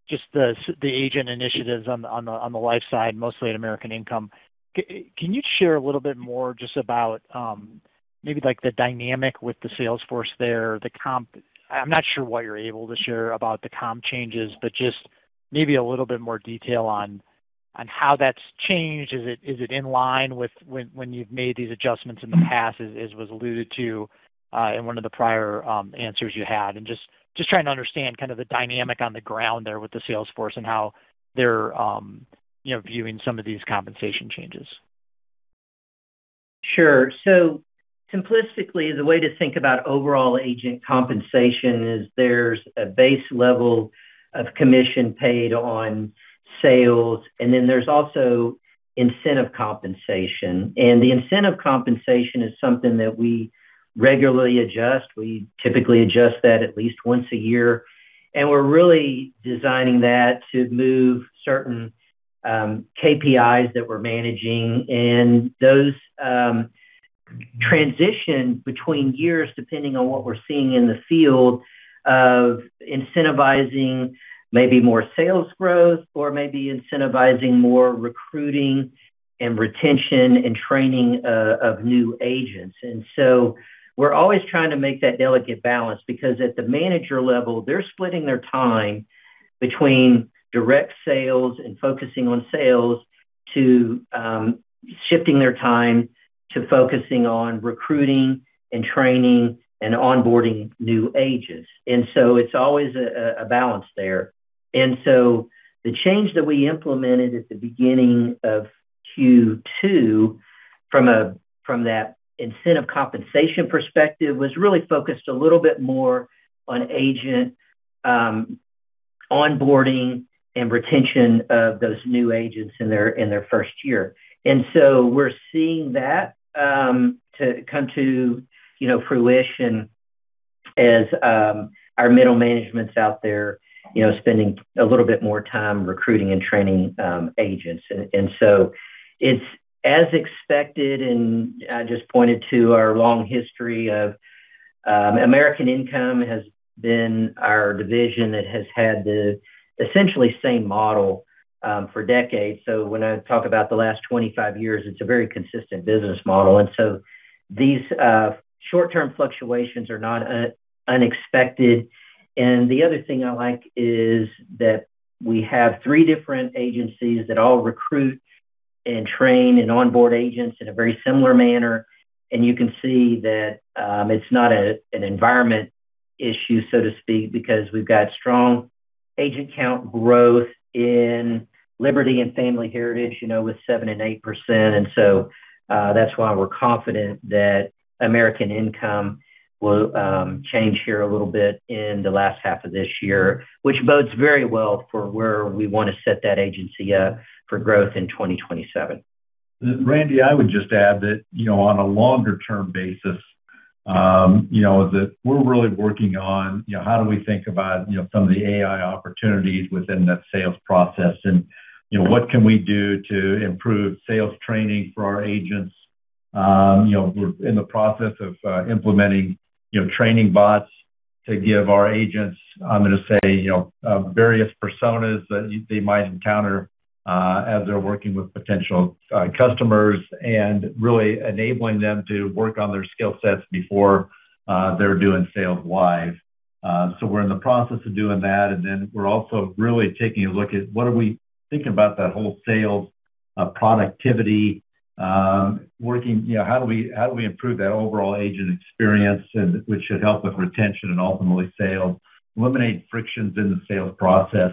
just the agent initiatives on the life side, mostly at American Income. Can you share a little bit more just about maybe the dynamic with the sales force there, the comp? I'm not sure what you're able to share about the comp changes, but just maybe a little bit more detail on how that's changed. Is it in line with when you've made these adjustments in the past, as was alluded to in one of the prior answers you had? Just trying to understand kind of the dynamic on the ground there with the sales force and how they're viewing some of these compensation changes. Simplistically, the way to think about overall agent compensation is there's a base level of commission paid on sales, then there's also incentive compensation. The incentive compensation is something that we regularly adjust. We typically adjust that at least once a year, and we're really designing that to move certain KPIs that we're managing. Those transition between years, depending on what we're seeing in the field of incentivizing maybe more sales growth or maybe incentivizing more recruiting and retention and training of new agents. We're always trying to make that delicate balance because at the manager level, they're splitting their time between direct sales and focusing on sales to shifting their time to focusing on recruiting and training and onboarding new agents. It's always a balance there. The change that we implemented at the beginning of Q2 from that incentive compensation perspective was really focused a little bit more on agent onboarding and retention of those new agents in their first year. We're seeing that come to fruition as our middle management's out there spending a little bit more time recruiting and training agents. It's as expected, I just pointed to our long history of American Income has been our division that has had the essentially same model for decades. When I talk about the last 25 years, it's a very consistent business model. These short-term fluctuations are not unexpected. The other thing I like is that we have three different agencies that all recruit and train and onboard agents in a very similar manner. You can see that it's not an environment issue, so to speak, because we've got strong agent count growth in Liberty and Family Heritage with 7% and 8%. That's why we're confident that American Income will change here a little bit in the last half of this year, which bodes very well for where we want to set that agency up for growth in 2027. Randy, I would just add that on a longer-term basis, that we're really working on how do we think about some of the AI opportunities within that sales process and what can we do to improve sales training for our agents. We're in the process of implementing training bots to give our agents, I'm going to say, various personas that they might encounter as they're working with potential customers and really enabling them to work on their skill sets before they're doing sales live. We're in the process of doing that, we're also really taking a look at what are we thinking about that whole sales productivity working, how do we improve that overall agent experience which should help with retention and ultimately sales, eliminate frictions in the sales process,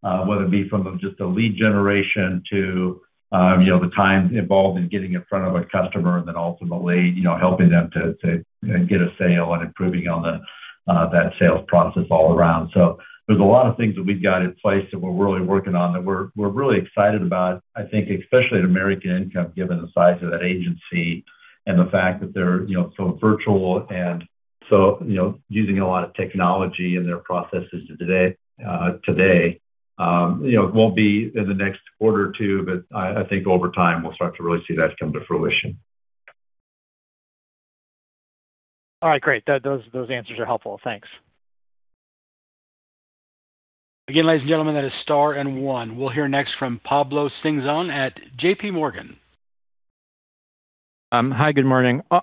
whether it be from just a lead generation to the time involved in getting in front of a customer ultimately helping them to get a sale and improving on that sales process all around. There's a lot of things that we've got in place that we're really working on that we're really excited about, I think especially at American Income, given the size of that agency and the fact that they're so virtual and so using a lot of technology in their processes today. It won't be in the next quarter or two, but I think over time, we'll start to really see that come to fruition. All right, great. Those answers are helpful. Thanks. Again, ladies and gentlemen, that is star and one. We'll hear next from Pablo Singzon at JPMorgan. Hi, good morning. I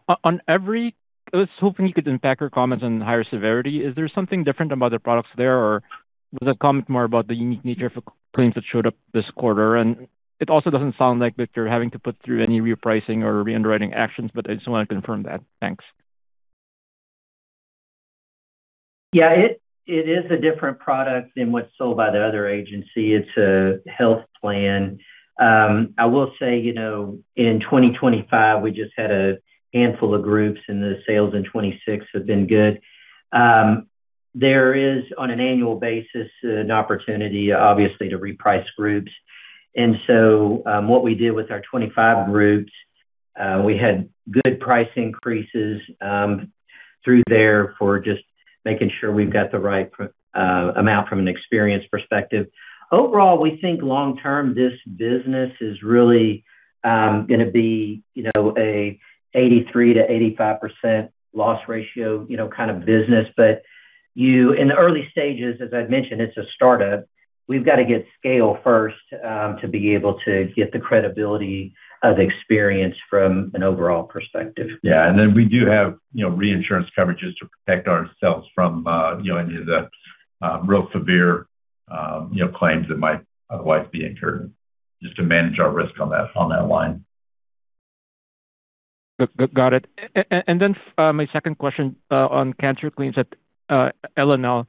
was hoping you could unpack your comments on higher severity. Is there something different about the products there, or was that comment more about the unique nature of claims that showed up this quarter? It also doesn't sound like that you're having to put through any repricing or re-underwriting actions, but I just want to confirm that. Thanks. It is a different product than what's sold by the other agency. It's a health plan. In 2025, we just had a handful of groups, and the sales in 2026 have been good. There is, on an annual basis, an opportunity, obviously, to reprice groups. What we did with our 2025 groups, we had good price increases through there for just making sure we've got the right amount from an experience perspective. Overall, we think long term, this business is really going to be an 83%-85% loss ratio kind of business. In the early stages, as I've mentioned, it's a startup. We've got to get scale first to be able to get the credibility of experience from an overall perspective. We do have reinsurance coverages to protect ourselves from any of the real severe claims that might otherwise be incurred, just to manage our risk on that line. My second question on cancer claims at LNL.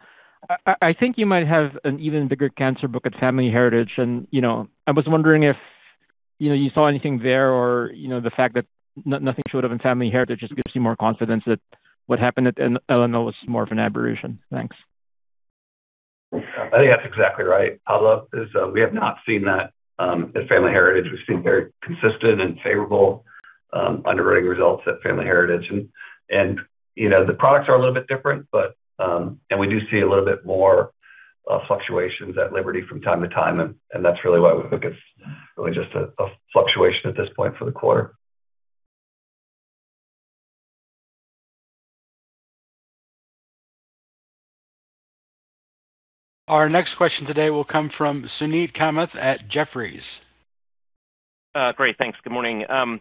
I think you might have an even bigger cancer book at Family Heritage. I was wondering if you saw anything there or the fact that nothing showed up in Family Heritage just gives you more confidence that what happened at LNL was more of an aberration. Thanks. I think that's exactly right, Pablo. We have not seen that at Family Heritage. We've seen very consistent and favorable underwriting results at Family Heritage. The products are a little bit different, and we do see a little bit more fluctuations at Liberty from time to time, and that's really why we look at really just a fluctuation at this point for the quarter. Our next question today will come from Suneet Kamath at Jefferies. Great. Thanks. Good morning. On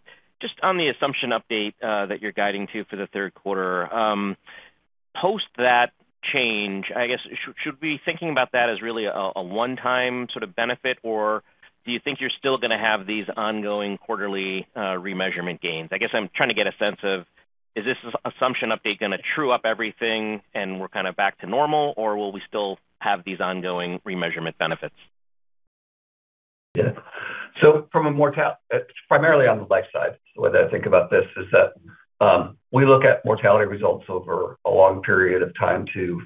the assumption update that you're guiding to for the third quarter. Post that change, I guess, should we be thinking about that as really a one-time sort of benefit, or do you think you're still going to have these ongoing quarterly remeasurement gains? I guess I'm trying to get a sense of, is this assumption update going to true up everything and we're kind of back to normal, or will we still have these ongoing remeasurement benefits? Yeah. Primarily on the life side, the way that I think about this is that we look at mortality results over a long period of time to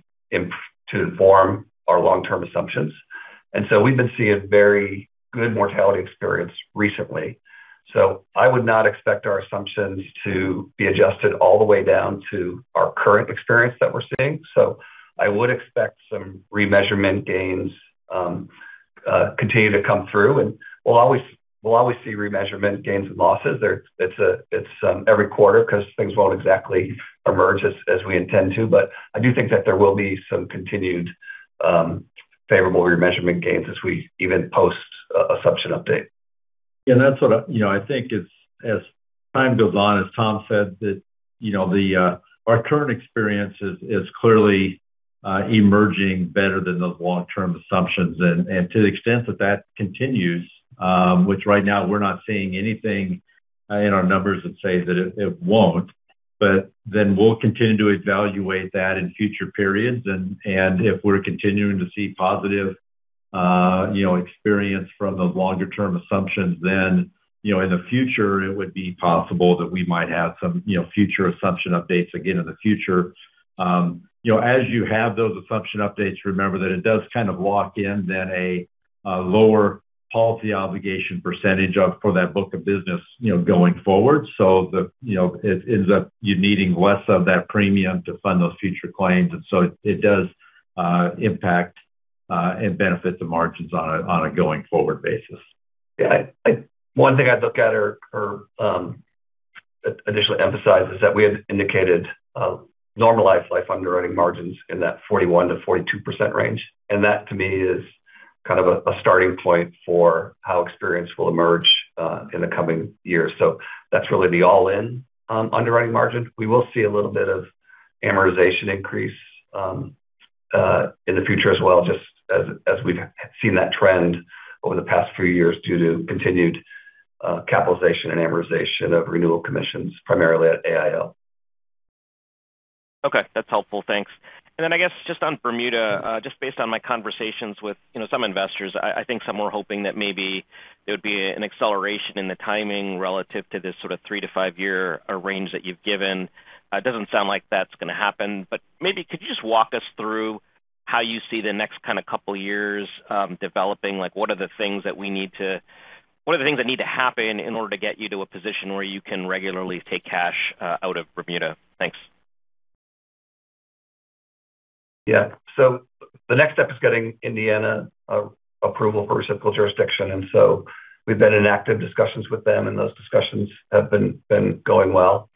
inform our long-term assumptions. We've been seeing very good mortality experience recently. I would not expect our assumptions to be adjusted all the way down to our current experience that we're seeing. I would expect some remeasurement gains continue to come through, and we'll always see remeasurement gains and losses. It's every quarter because things won't exactly emerge as we intend to. I do think that there will be some continued favorable remeasurement gains as we even post assumption update. Yeah, that's what I think as time goes on, as Tom said, that our current experience is clearly emerging better than those long-term assumptions. To the extent that that continues, which right now we're not seeing anything in our numbers that say that it won't, we'll continue to evaluate that in future periods. If we're continuing to see positive experience from those longer term assumptions, in the future, it would be possible that we might have some future assumption updates again in the future. As you have those assumption updates, remember that it does kind of lock in then a lower policy obligation percentage for that book of business going forward. It ends up you needing less of that premium to fund those future claims, it does impact and benefit the margins on a going forward basis. Yeah. One thing I'd look at or additionally emphasize is that we had indicated normalized life underwriting margins in that 41%-42% range, and that to me is kind of a starting point for how experience will emerge in the coming years. That's really the all-in underwriting margin. We will see a little bit of amortization increase in the future as well, just as we've seen that trend over the past few years due to continued capitalization and amortization of renewal commissions, primarily at AIL. Okay. That's helpful. Thanks. I guess just on Bermuda, just based on my conversations with some investors, I think some were hoping that maybe there would be an acceleration in the timing relative to this sort of three to five year range that you've given. It doesn't sound like that's going to happen, but maybe could you just walk us through how you see the next couple years developing, what are the things that need to happen in order to get you to a position where you can regularly take cash out of Bermuda? Thanks. Yeah. The next step is getting Indiana approval for reciprocal jurisdiction, we've been in active discussions with them, those discussions have been going well.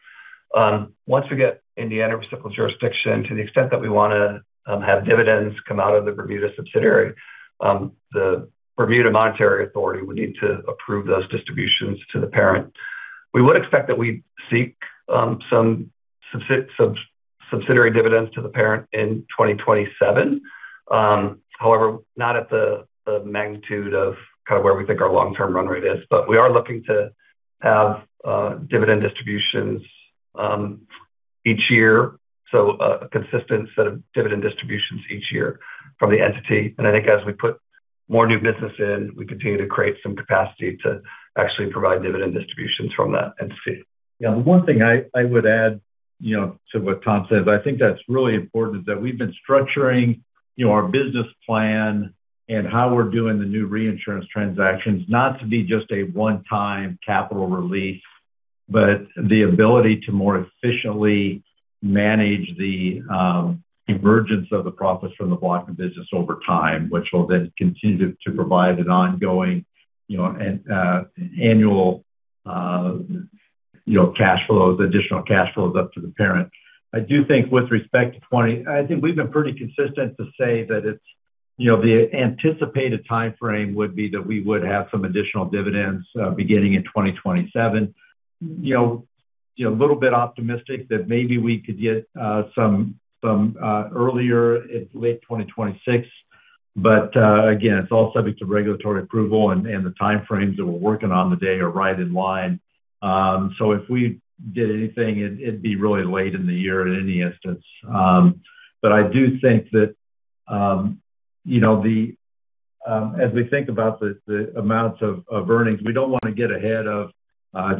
Once we get Indiana reciprocal jurisdiction to the extent that we want to have dividends come out of the Bermuda subsidiary, the Bermuda Monetary Authority would need to approve those distributions to the parent. We would expect that we seek some subsidiary dividends to the parent in 2027. However, not at the magnitude of where we think our long-term run rate is. We are looking to have dividend distributions each year, so a consistent set of dividend distributions each year from the entity. I think as we put more new business in, we continue to create some capacity to actually provide dividend distributions from that entity. Yeah, the one thing I would add to what Tom said, I think that's really important, is that we've been structuring our business plan and how we're doing the new reinsurance transactions not to be just a one-time capital release, but the ability to more efficiently manage the emergence of the profits from the block of business over time, which will then continue to provide an ongoing annual additional cash flows up to the parent. I think we've been pretty consistent to say that the anticipated timeframe would be that we would have some additional dividends beginning in 2027. A little bit optimistic that maybe we could get some earlier in late 2026. Again, it's all subject to regulatory approval, the time frames that we're working on today are right in line. If we did anything, it'd be really late in the year in any instance. I do think that as we think about the amounts of earnings, we don't want to get ahead of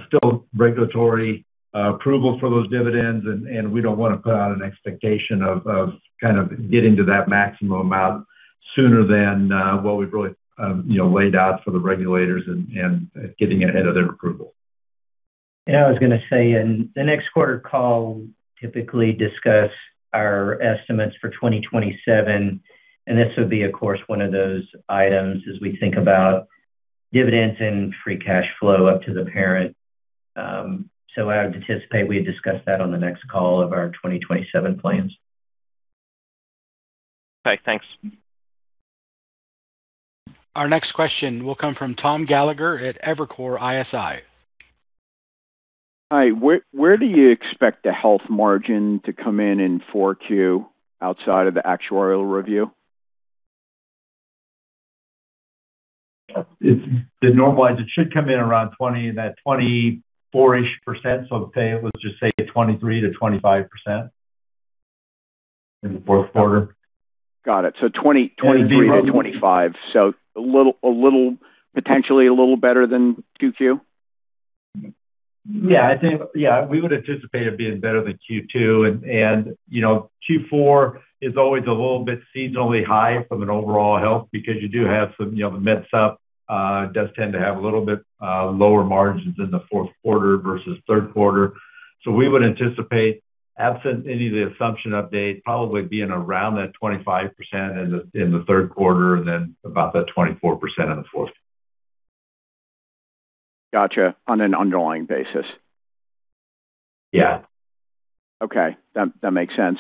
still regulatory approval for those dividends, and we don't want to put out an expectation of getting to that maximum amount sooner than what we've really laid out for the regulators and getting ahead of their approval. I was going to say in the next quarter call, we'll typically discuss our estimates for 2027, and this would be, of course, one of those items as we think about dividends and free cash flow up to the parent. I would anticipate we discuss that on the next call of our 2027 plans. Thanks. Our next question will come from Thomas Gallagher at Evercore ISI. Hi. Where do you expect the health margin to come in in 4Q outside of the actuarial review? It should come in around that 24-ish%. Let's just say 23%-25% in the fourth quarter. Got it. 23%-25%. Potentially a little better than two Q? Yeah. We would anticipate it being better than Q2. Q4 is always a little bit seasonally high from an overall health because the MedSup does tend to have a little bit lower margins in the fourth quarter versus third quarter. We would anticipate, absent any of the assumption update, probably being around that 25% in the third quarter and then about that 24% in the fourth. Got you. On an underlying basis? Yeah. Okay. That makes sense.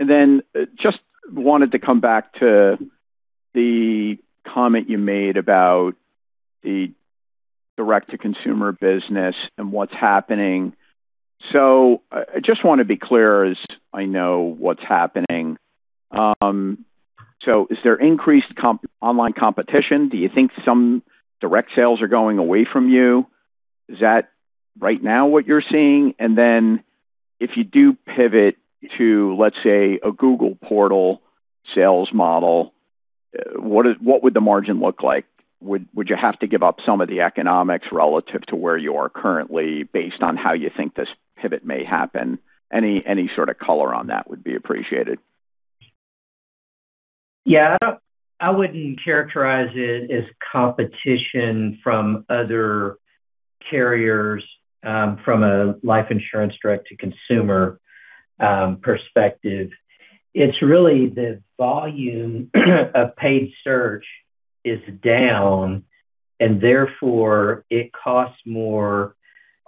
Just wanted to come back to the comment you made about the direct-to-consumer business and what's happening. I just want to be clear as I know what's happening. Is there increased online competition? Do you think some direct sales are going away from you? Is that right now what you're seeing? Then if you do pivot to, let's say, a Google portal sales model, what would the margin look like? Would you have to give up some of the economics relative to where you are currently based on how you think this pivot may happen? Any sort of color on that would be appreciated. Yeah. I wouldn't characterize it as competition from other carriers, from a life insurance direct-to-consumer perspective. It's really the volume of paid search is down, and therefore, it costs more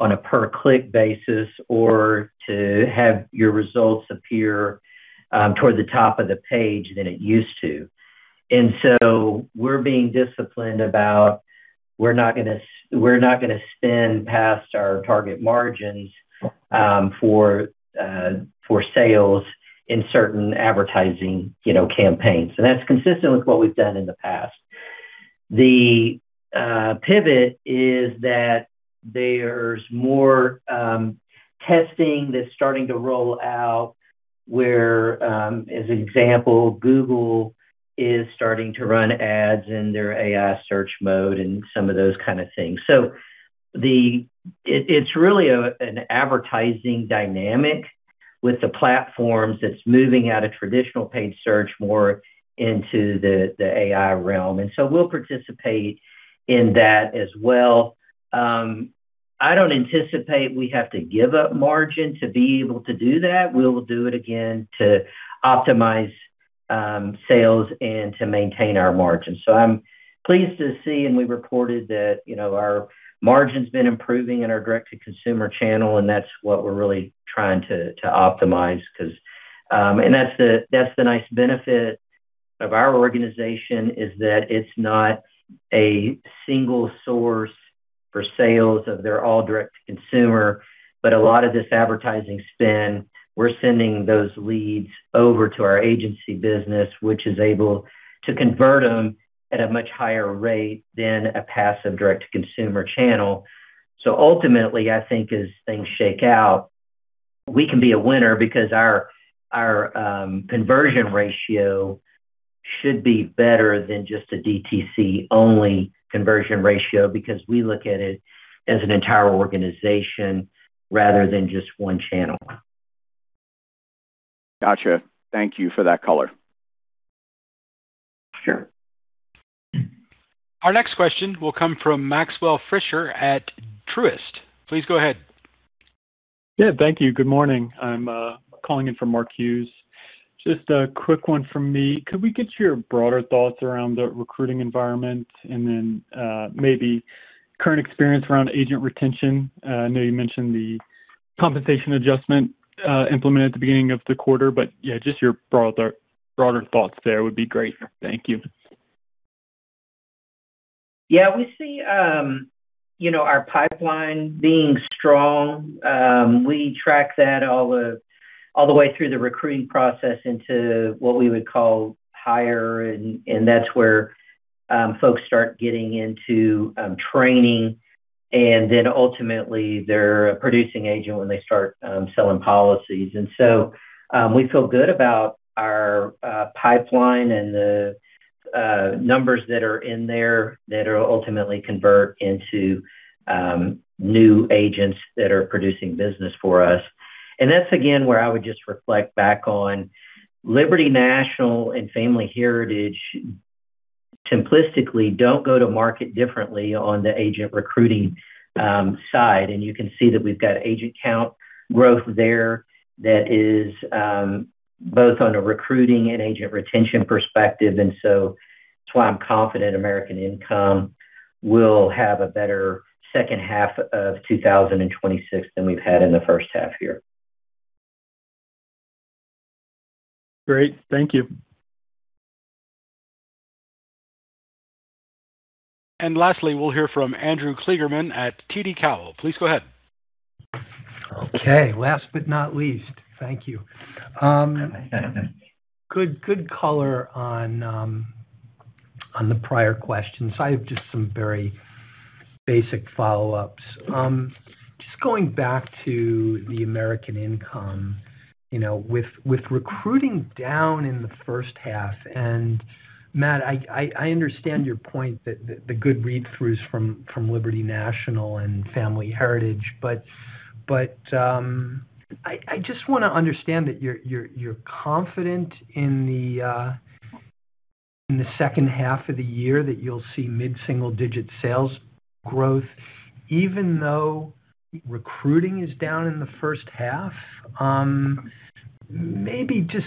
on a per-click basis or to have your results appear toward the top of the page than it used to. We're being disciplined about we're not going to spend past our target margins for sales in certain advertising campaigns. That's consistent with what we've done in the past. The pivot is that there's more testing that's starting to roll out where, as an example, Google is starting to run ads in their AI search mode and some of those kind of things. It's really an advertising dynamic with the platforms that's moving out of traditional paid search more into the AI realm. We'll participate in that as well. I don't anticipate we have to give up margin to be able to do that. We'll do it again to optimize sales and to maintain our margins. I'm pleased to see, and we reported that our margin's been improving in our direct-to-consumer channel, and that's what we're really trying to optimize. That's the nice benefit of our organization, is that it's not a single source for sales of they're all direct to consumer. A lot of this advertising spend, we're sending those leads over to our agency business, which is able to convert them at a much higher rate than a passive direct-to-consumer channel. Ultimately, I think as things shake out, we can be a winner because our conversion ratio should be better than just a DTC-only conversion ratio, because we look at it as an entire organization rather than just one channel. Got you. Thank you for that color. Sure. Our next question will come from Maxwell Fritscher at Truist. Please go ahead. Yeah, thank you. Good morning. I'm calling in for Mark Hughes. Just a quick one from me. Could we get your broader thoughts around the recruiting environment and then maybe current experience around agent retention? I know you mentioned the compensation adjustment implemented at the beginning of the quarter, yeah, just your broader thoughts there would be great. Thank you. Yeah, we see our pipeline being strong. We track that all the way through the recruiting process into what we would call hire, and that's where folks start getting into training. Then ultimately, they're a producing agent when they start selling policies. We feel good about our pipeline and the numbers that are in there that'll ultimately convert into new agents that are producing business for us. That's, again, where I would just reflect back on Liberty National and Family Heritage simplistically don't go to market differently on the agent recruiting side. You can see that we've got agent count growth there that is both on a recruiting and agent retention perspective. That's why I'm confident American Income will have a better second half of 2026 than we've had in the first half year. Great. Thank you. Lastly, we'll hear from Andrew Kligerman at TD Cowen. Please go ahead. Okay. Last but not least. Thank you. Good color on the prior questions. I have just some very basic follow-ups. Just going back to the American Income, with recruiting down in the first half, and Matt, I understand your point that the good read-throughs from Liberty National and Family Heritage, but I just want to understand that you're confident in the second half of the year that you'll see mid-single digit sales growth even though recruiting is down in the first half. Maybe just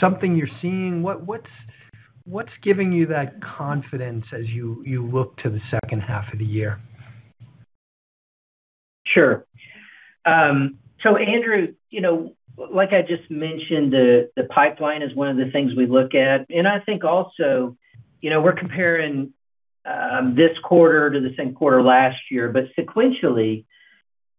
something you're seeing. What's giving you that confidence as you look to the second half of the year? Sure. Andrew, like I just mentioned, the pipeline is one of the things we look at. I think also, we're comparing this quarter to the same quarter last year. Sequentially,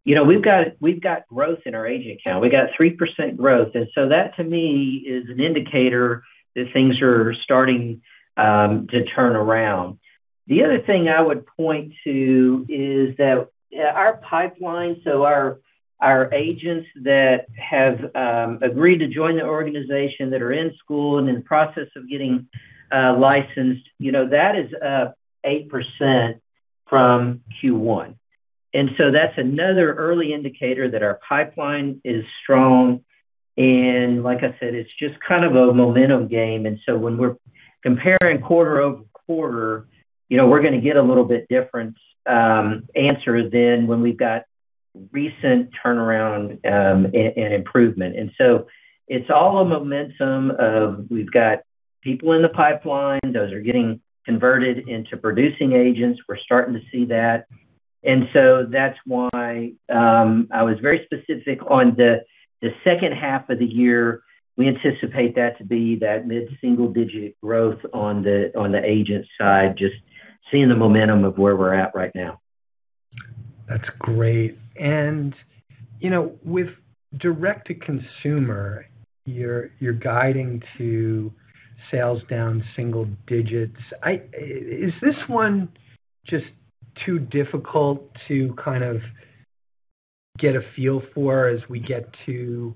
we've got growth in our agent count. We got 3% growth. That to me is an indicator that things are starting to turn around. The other thing I would point to is that our pipeline, so our agents that have agreed to join the organization that are in school and in the process of getting licensed, that is up 8% from Q1. That's another early indicator that our pipeline is strong, and like I said, it's just kind of a momentum game. When we're comparing quarter-over-quarter, we're going to get a little bit different answers than when we've got recent turnaround and improvement. It's all a momentum of we've got people in the pipeline. Those are getting converted into producing agents. We're starting to see that. That's why, I was very specific on the second half of the year, we anticipate that to be that mid-single-digit growth on the agent side, just seeing the momentum of where we're at right now. That's great. With direct-to-consumer, you're guiding to sales down single digits. Is this one just too difficult to kind of get a feel for as we get to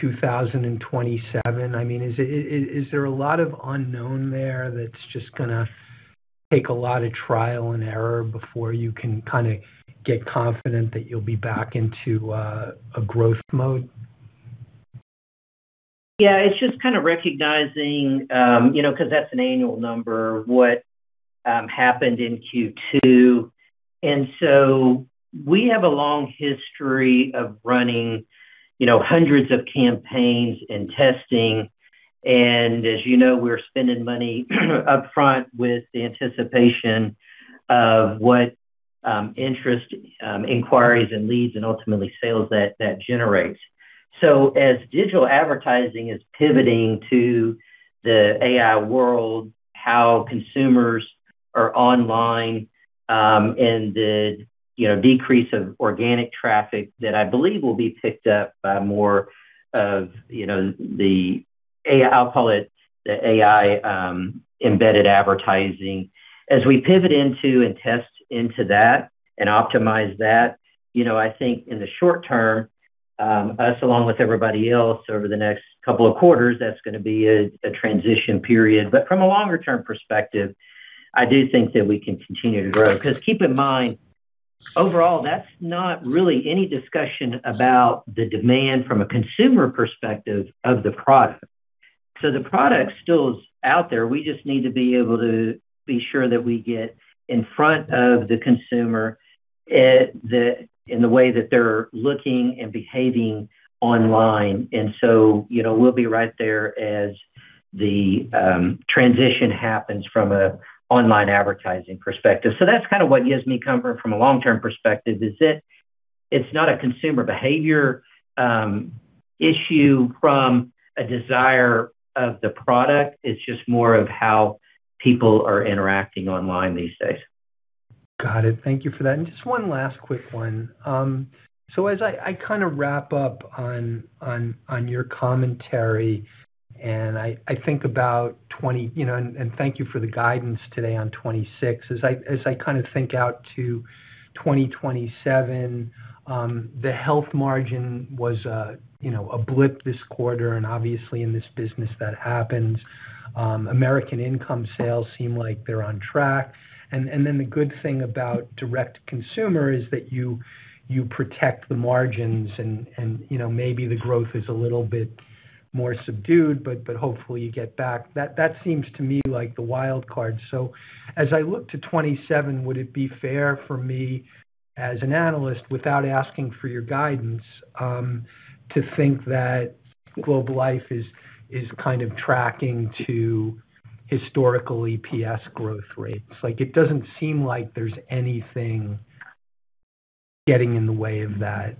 2027. Is there a lot of unknown there that's just going to take a lot of trial and error before you can kind of get confident that you'll be back into a growth mode? Yeah, it's just kind of recognizing, because that's an annual number, what happened in Q2. We have a long history of running hundreds of campaigns and testing. As you know, we're spending money up front with the anticipation of what interest inquiries and leads and ultimately sales that generates. As digital advertising is pivoting to the AI world, how consumers are online, and the decrease of organic traffic that I believe will be picked up by more of the, I'll call it the AI-embedded advertising. We pivot into and test into that and optimize that, I think in the short term, us along with everybody else over the next couple of quarters, that's going to be a transition period. From a longer-term perspective, I do think that we can continue to grow. Keep in mind, overall, that's not really any discussion about the demand from a consumer perspective of the product. The product still is out there. We just need to be able to be sure that we get in front of the consumer in the way that they're looking and behaving online. We'll be right there as the transition happens from an online advertising perspective. That's kind of what gives me comfort from a long-term perspective, is it's not a consumer behavior issue from a desire of the product, it's just more of how people are interacting online these days. Got it. Thank you for that. Just one last quick one. As I kind of wrap up on your commentary, and thank you for the guidance today on 2026. As I kind of think out to 2027, the health margin was a blip this quarter, and obviously in this business, that happens. American Income sales seem like they're on track. The good thing about direct to consumer is that you protect the margins and maybe the growth is a little bit more subdued, but hopefully you get back. That seems to me like the wild card. As I look to 2027, would it be fair for me as an analyst, without asking for your guidance, to think that Globe Life is kind of tracking to historical EPS growth rates? It doesn't seem like there's anything getting in the way of that.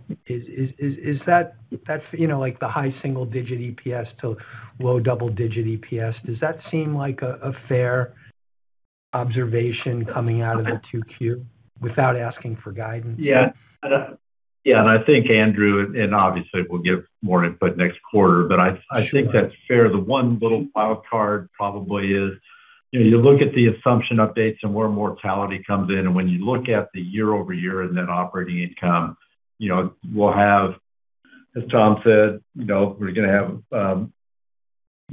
That's like the high single-digit EPS to low double-digit EPS. Does that seem like a fair observation coming out of the 2Q without asking for guidance? Yeah. I think, Andrew, obviously we'll give more input next quarter, but I think that's fair. The one little wild card probably is you look at the assumption updates and where mortality comes in, when you look at the year-over-year and operating income, as Tom said, we're going to have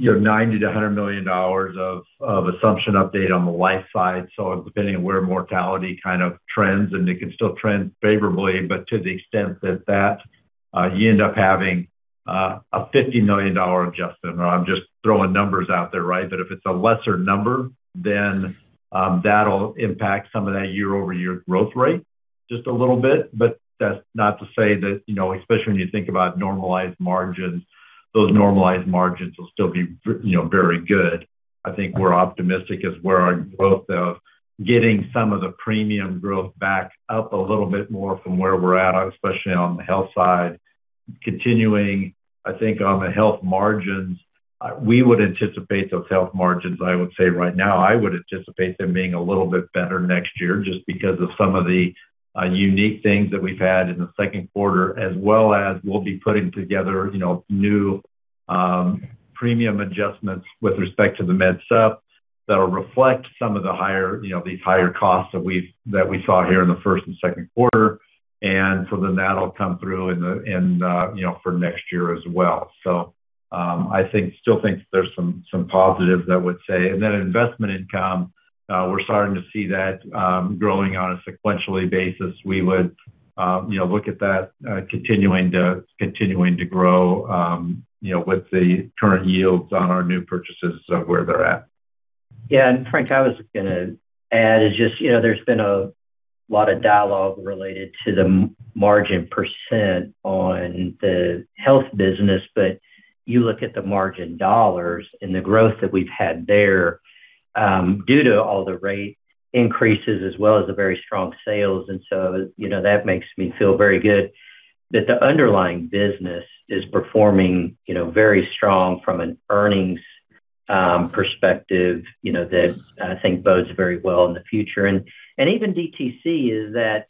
$90 million to $100 million of assumption update on the life side. Depending on where mortality kind of trends, and it can still trend favorably, but to the extent that you end up having a $50 million adjustment, or I'm just throwing numbers out there. If it's a lesser number, that'll impact some of that year-over-year growth rate just a little bit. That's not to say that, especially when you think about normalized margins, those normalized margins will still be very good. I think we're optimistic as where our growth of getting some of the premium growth back up a little bit more from where we're at, especially on the health side. Continuing, I think on the health margins, we would anticipate those health margins, I would say right now, I would anticipate them being a little bit better next year just because of some of the unique things that we've had in the second quarter, as well as we'll be putting together new premium adjustments with respect to the MedSup that'll reflect some of these higher costs that we saw here in the first and second quarter. That'll come through for next year as well. I still think there's some positives I would say. Investment income, we're starting to see that growing on a sequentially basis. We would look at that continuing to grow with the current yields on our new purchases of where they're at. Yeah, Frank, I was going to add, there's been a lot of dialogue related to the margin % on the health business, you look at the margin dollars and the growth that we've had there due to all the rate increases as well as the very strong sales. That makes me feel very good that the underlying business is performing very strong from an earnings perspective that I think bodes very well in the future. Even DTC is that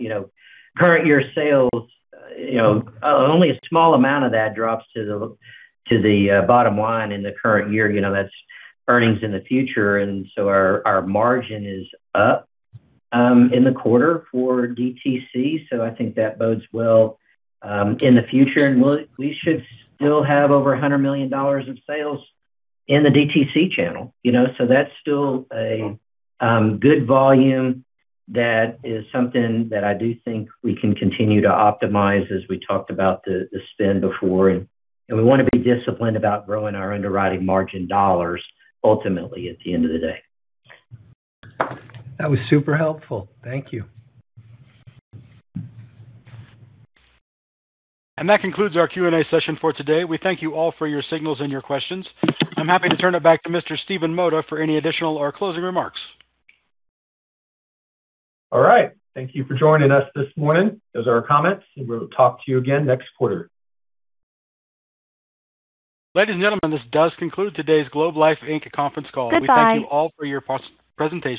current year sales, only a small amount of that drops to the bottom line in the current year. That's earnings in the future. Our margin is up in the quarter for DTC, I think that bodes well in the future. We should still have over $100 million in sales in the DTC channel. That's still a good volume that is something that I do think we can continue to optimize as we talked about the spend before. We want to be disciplined about growing our underwriting margin dollars ultimately at the end of the day. That was super helpful. Thank you. That concludes our Q&A session for today. We thank you all for your signals and your questions. I'm happy to turn it back to Mr. Stephen Mota for any additional or closing remarks. All right. Thank you for joining us this morning. Those are our comments, and we'll talk to you again next quarter. Ladies and gentlemen, this does conclude today's Globe Life Inc. conference call. Goodbye. We thank you all for your presentation.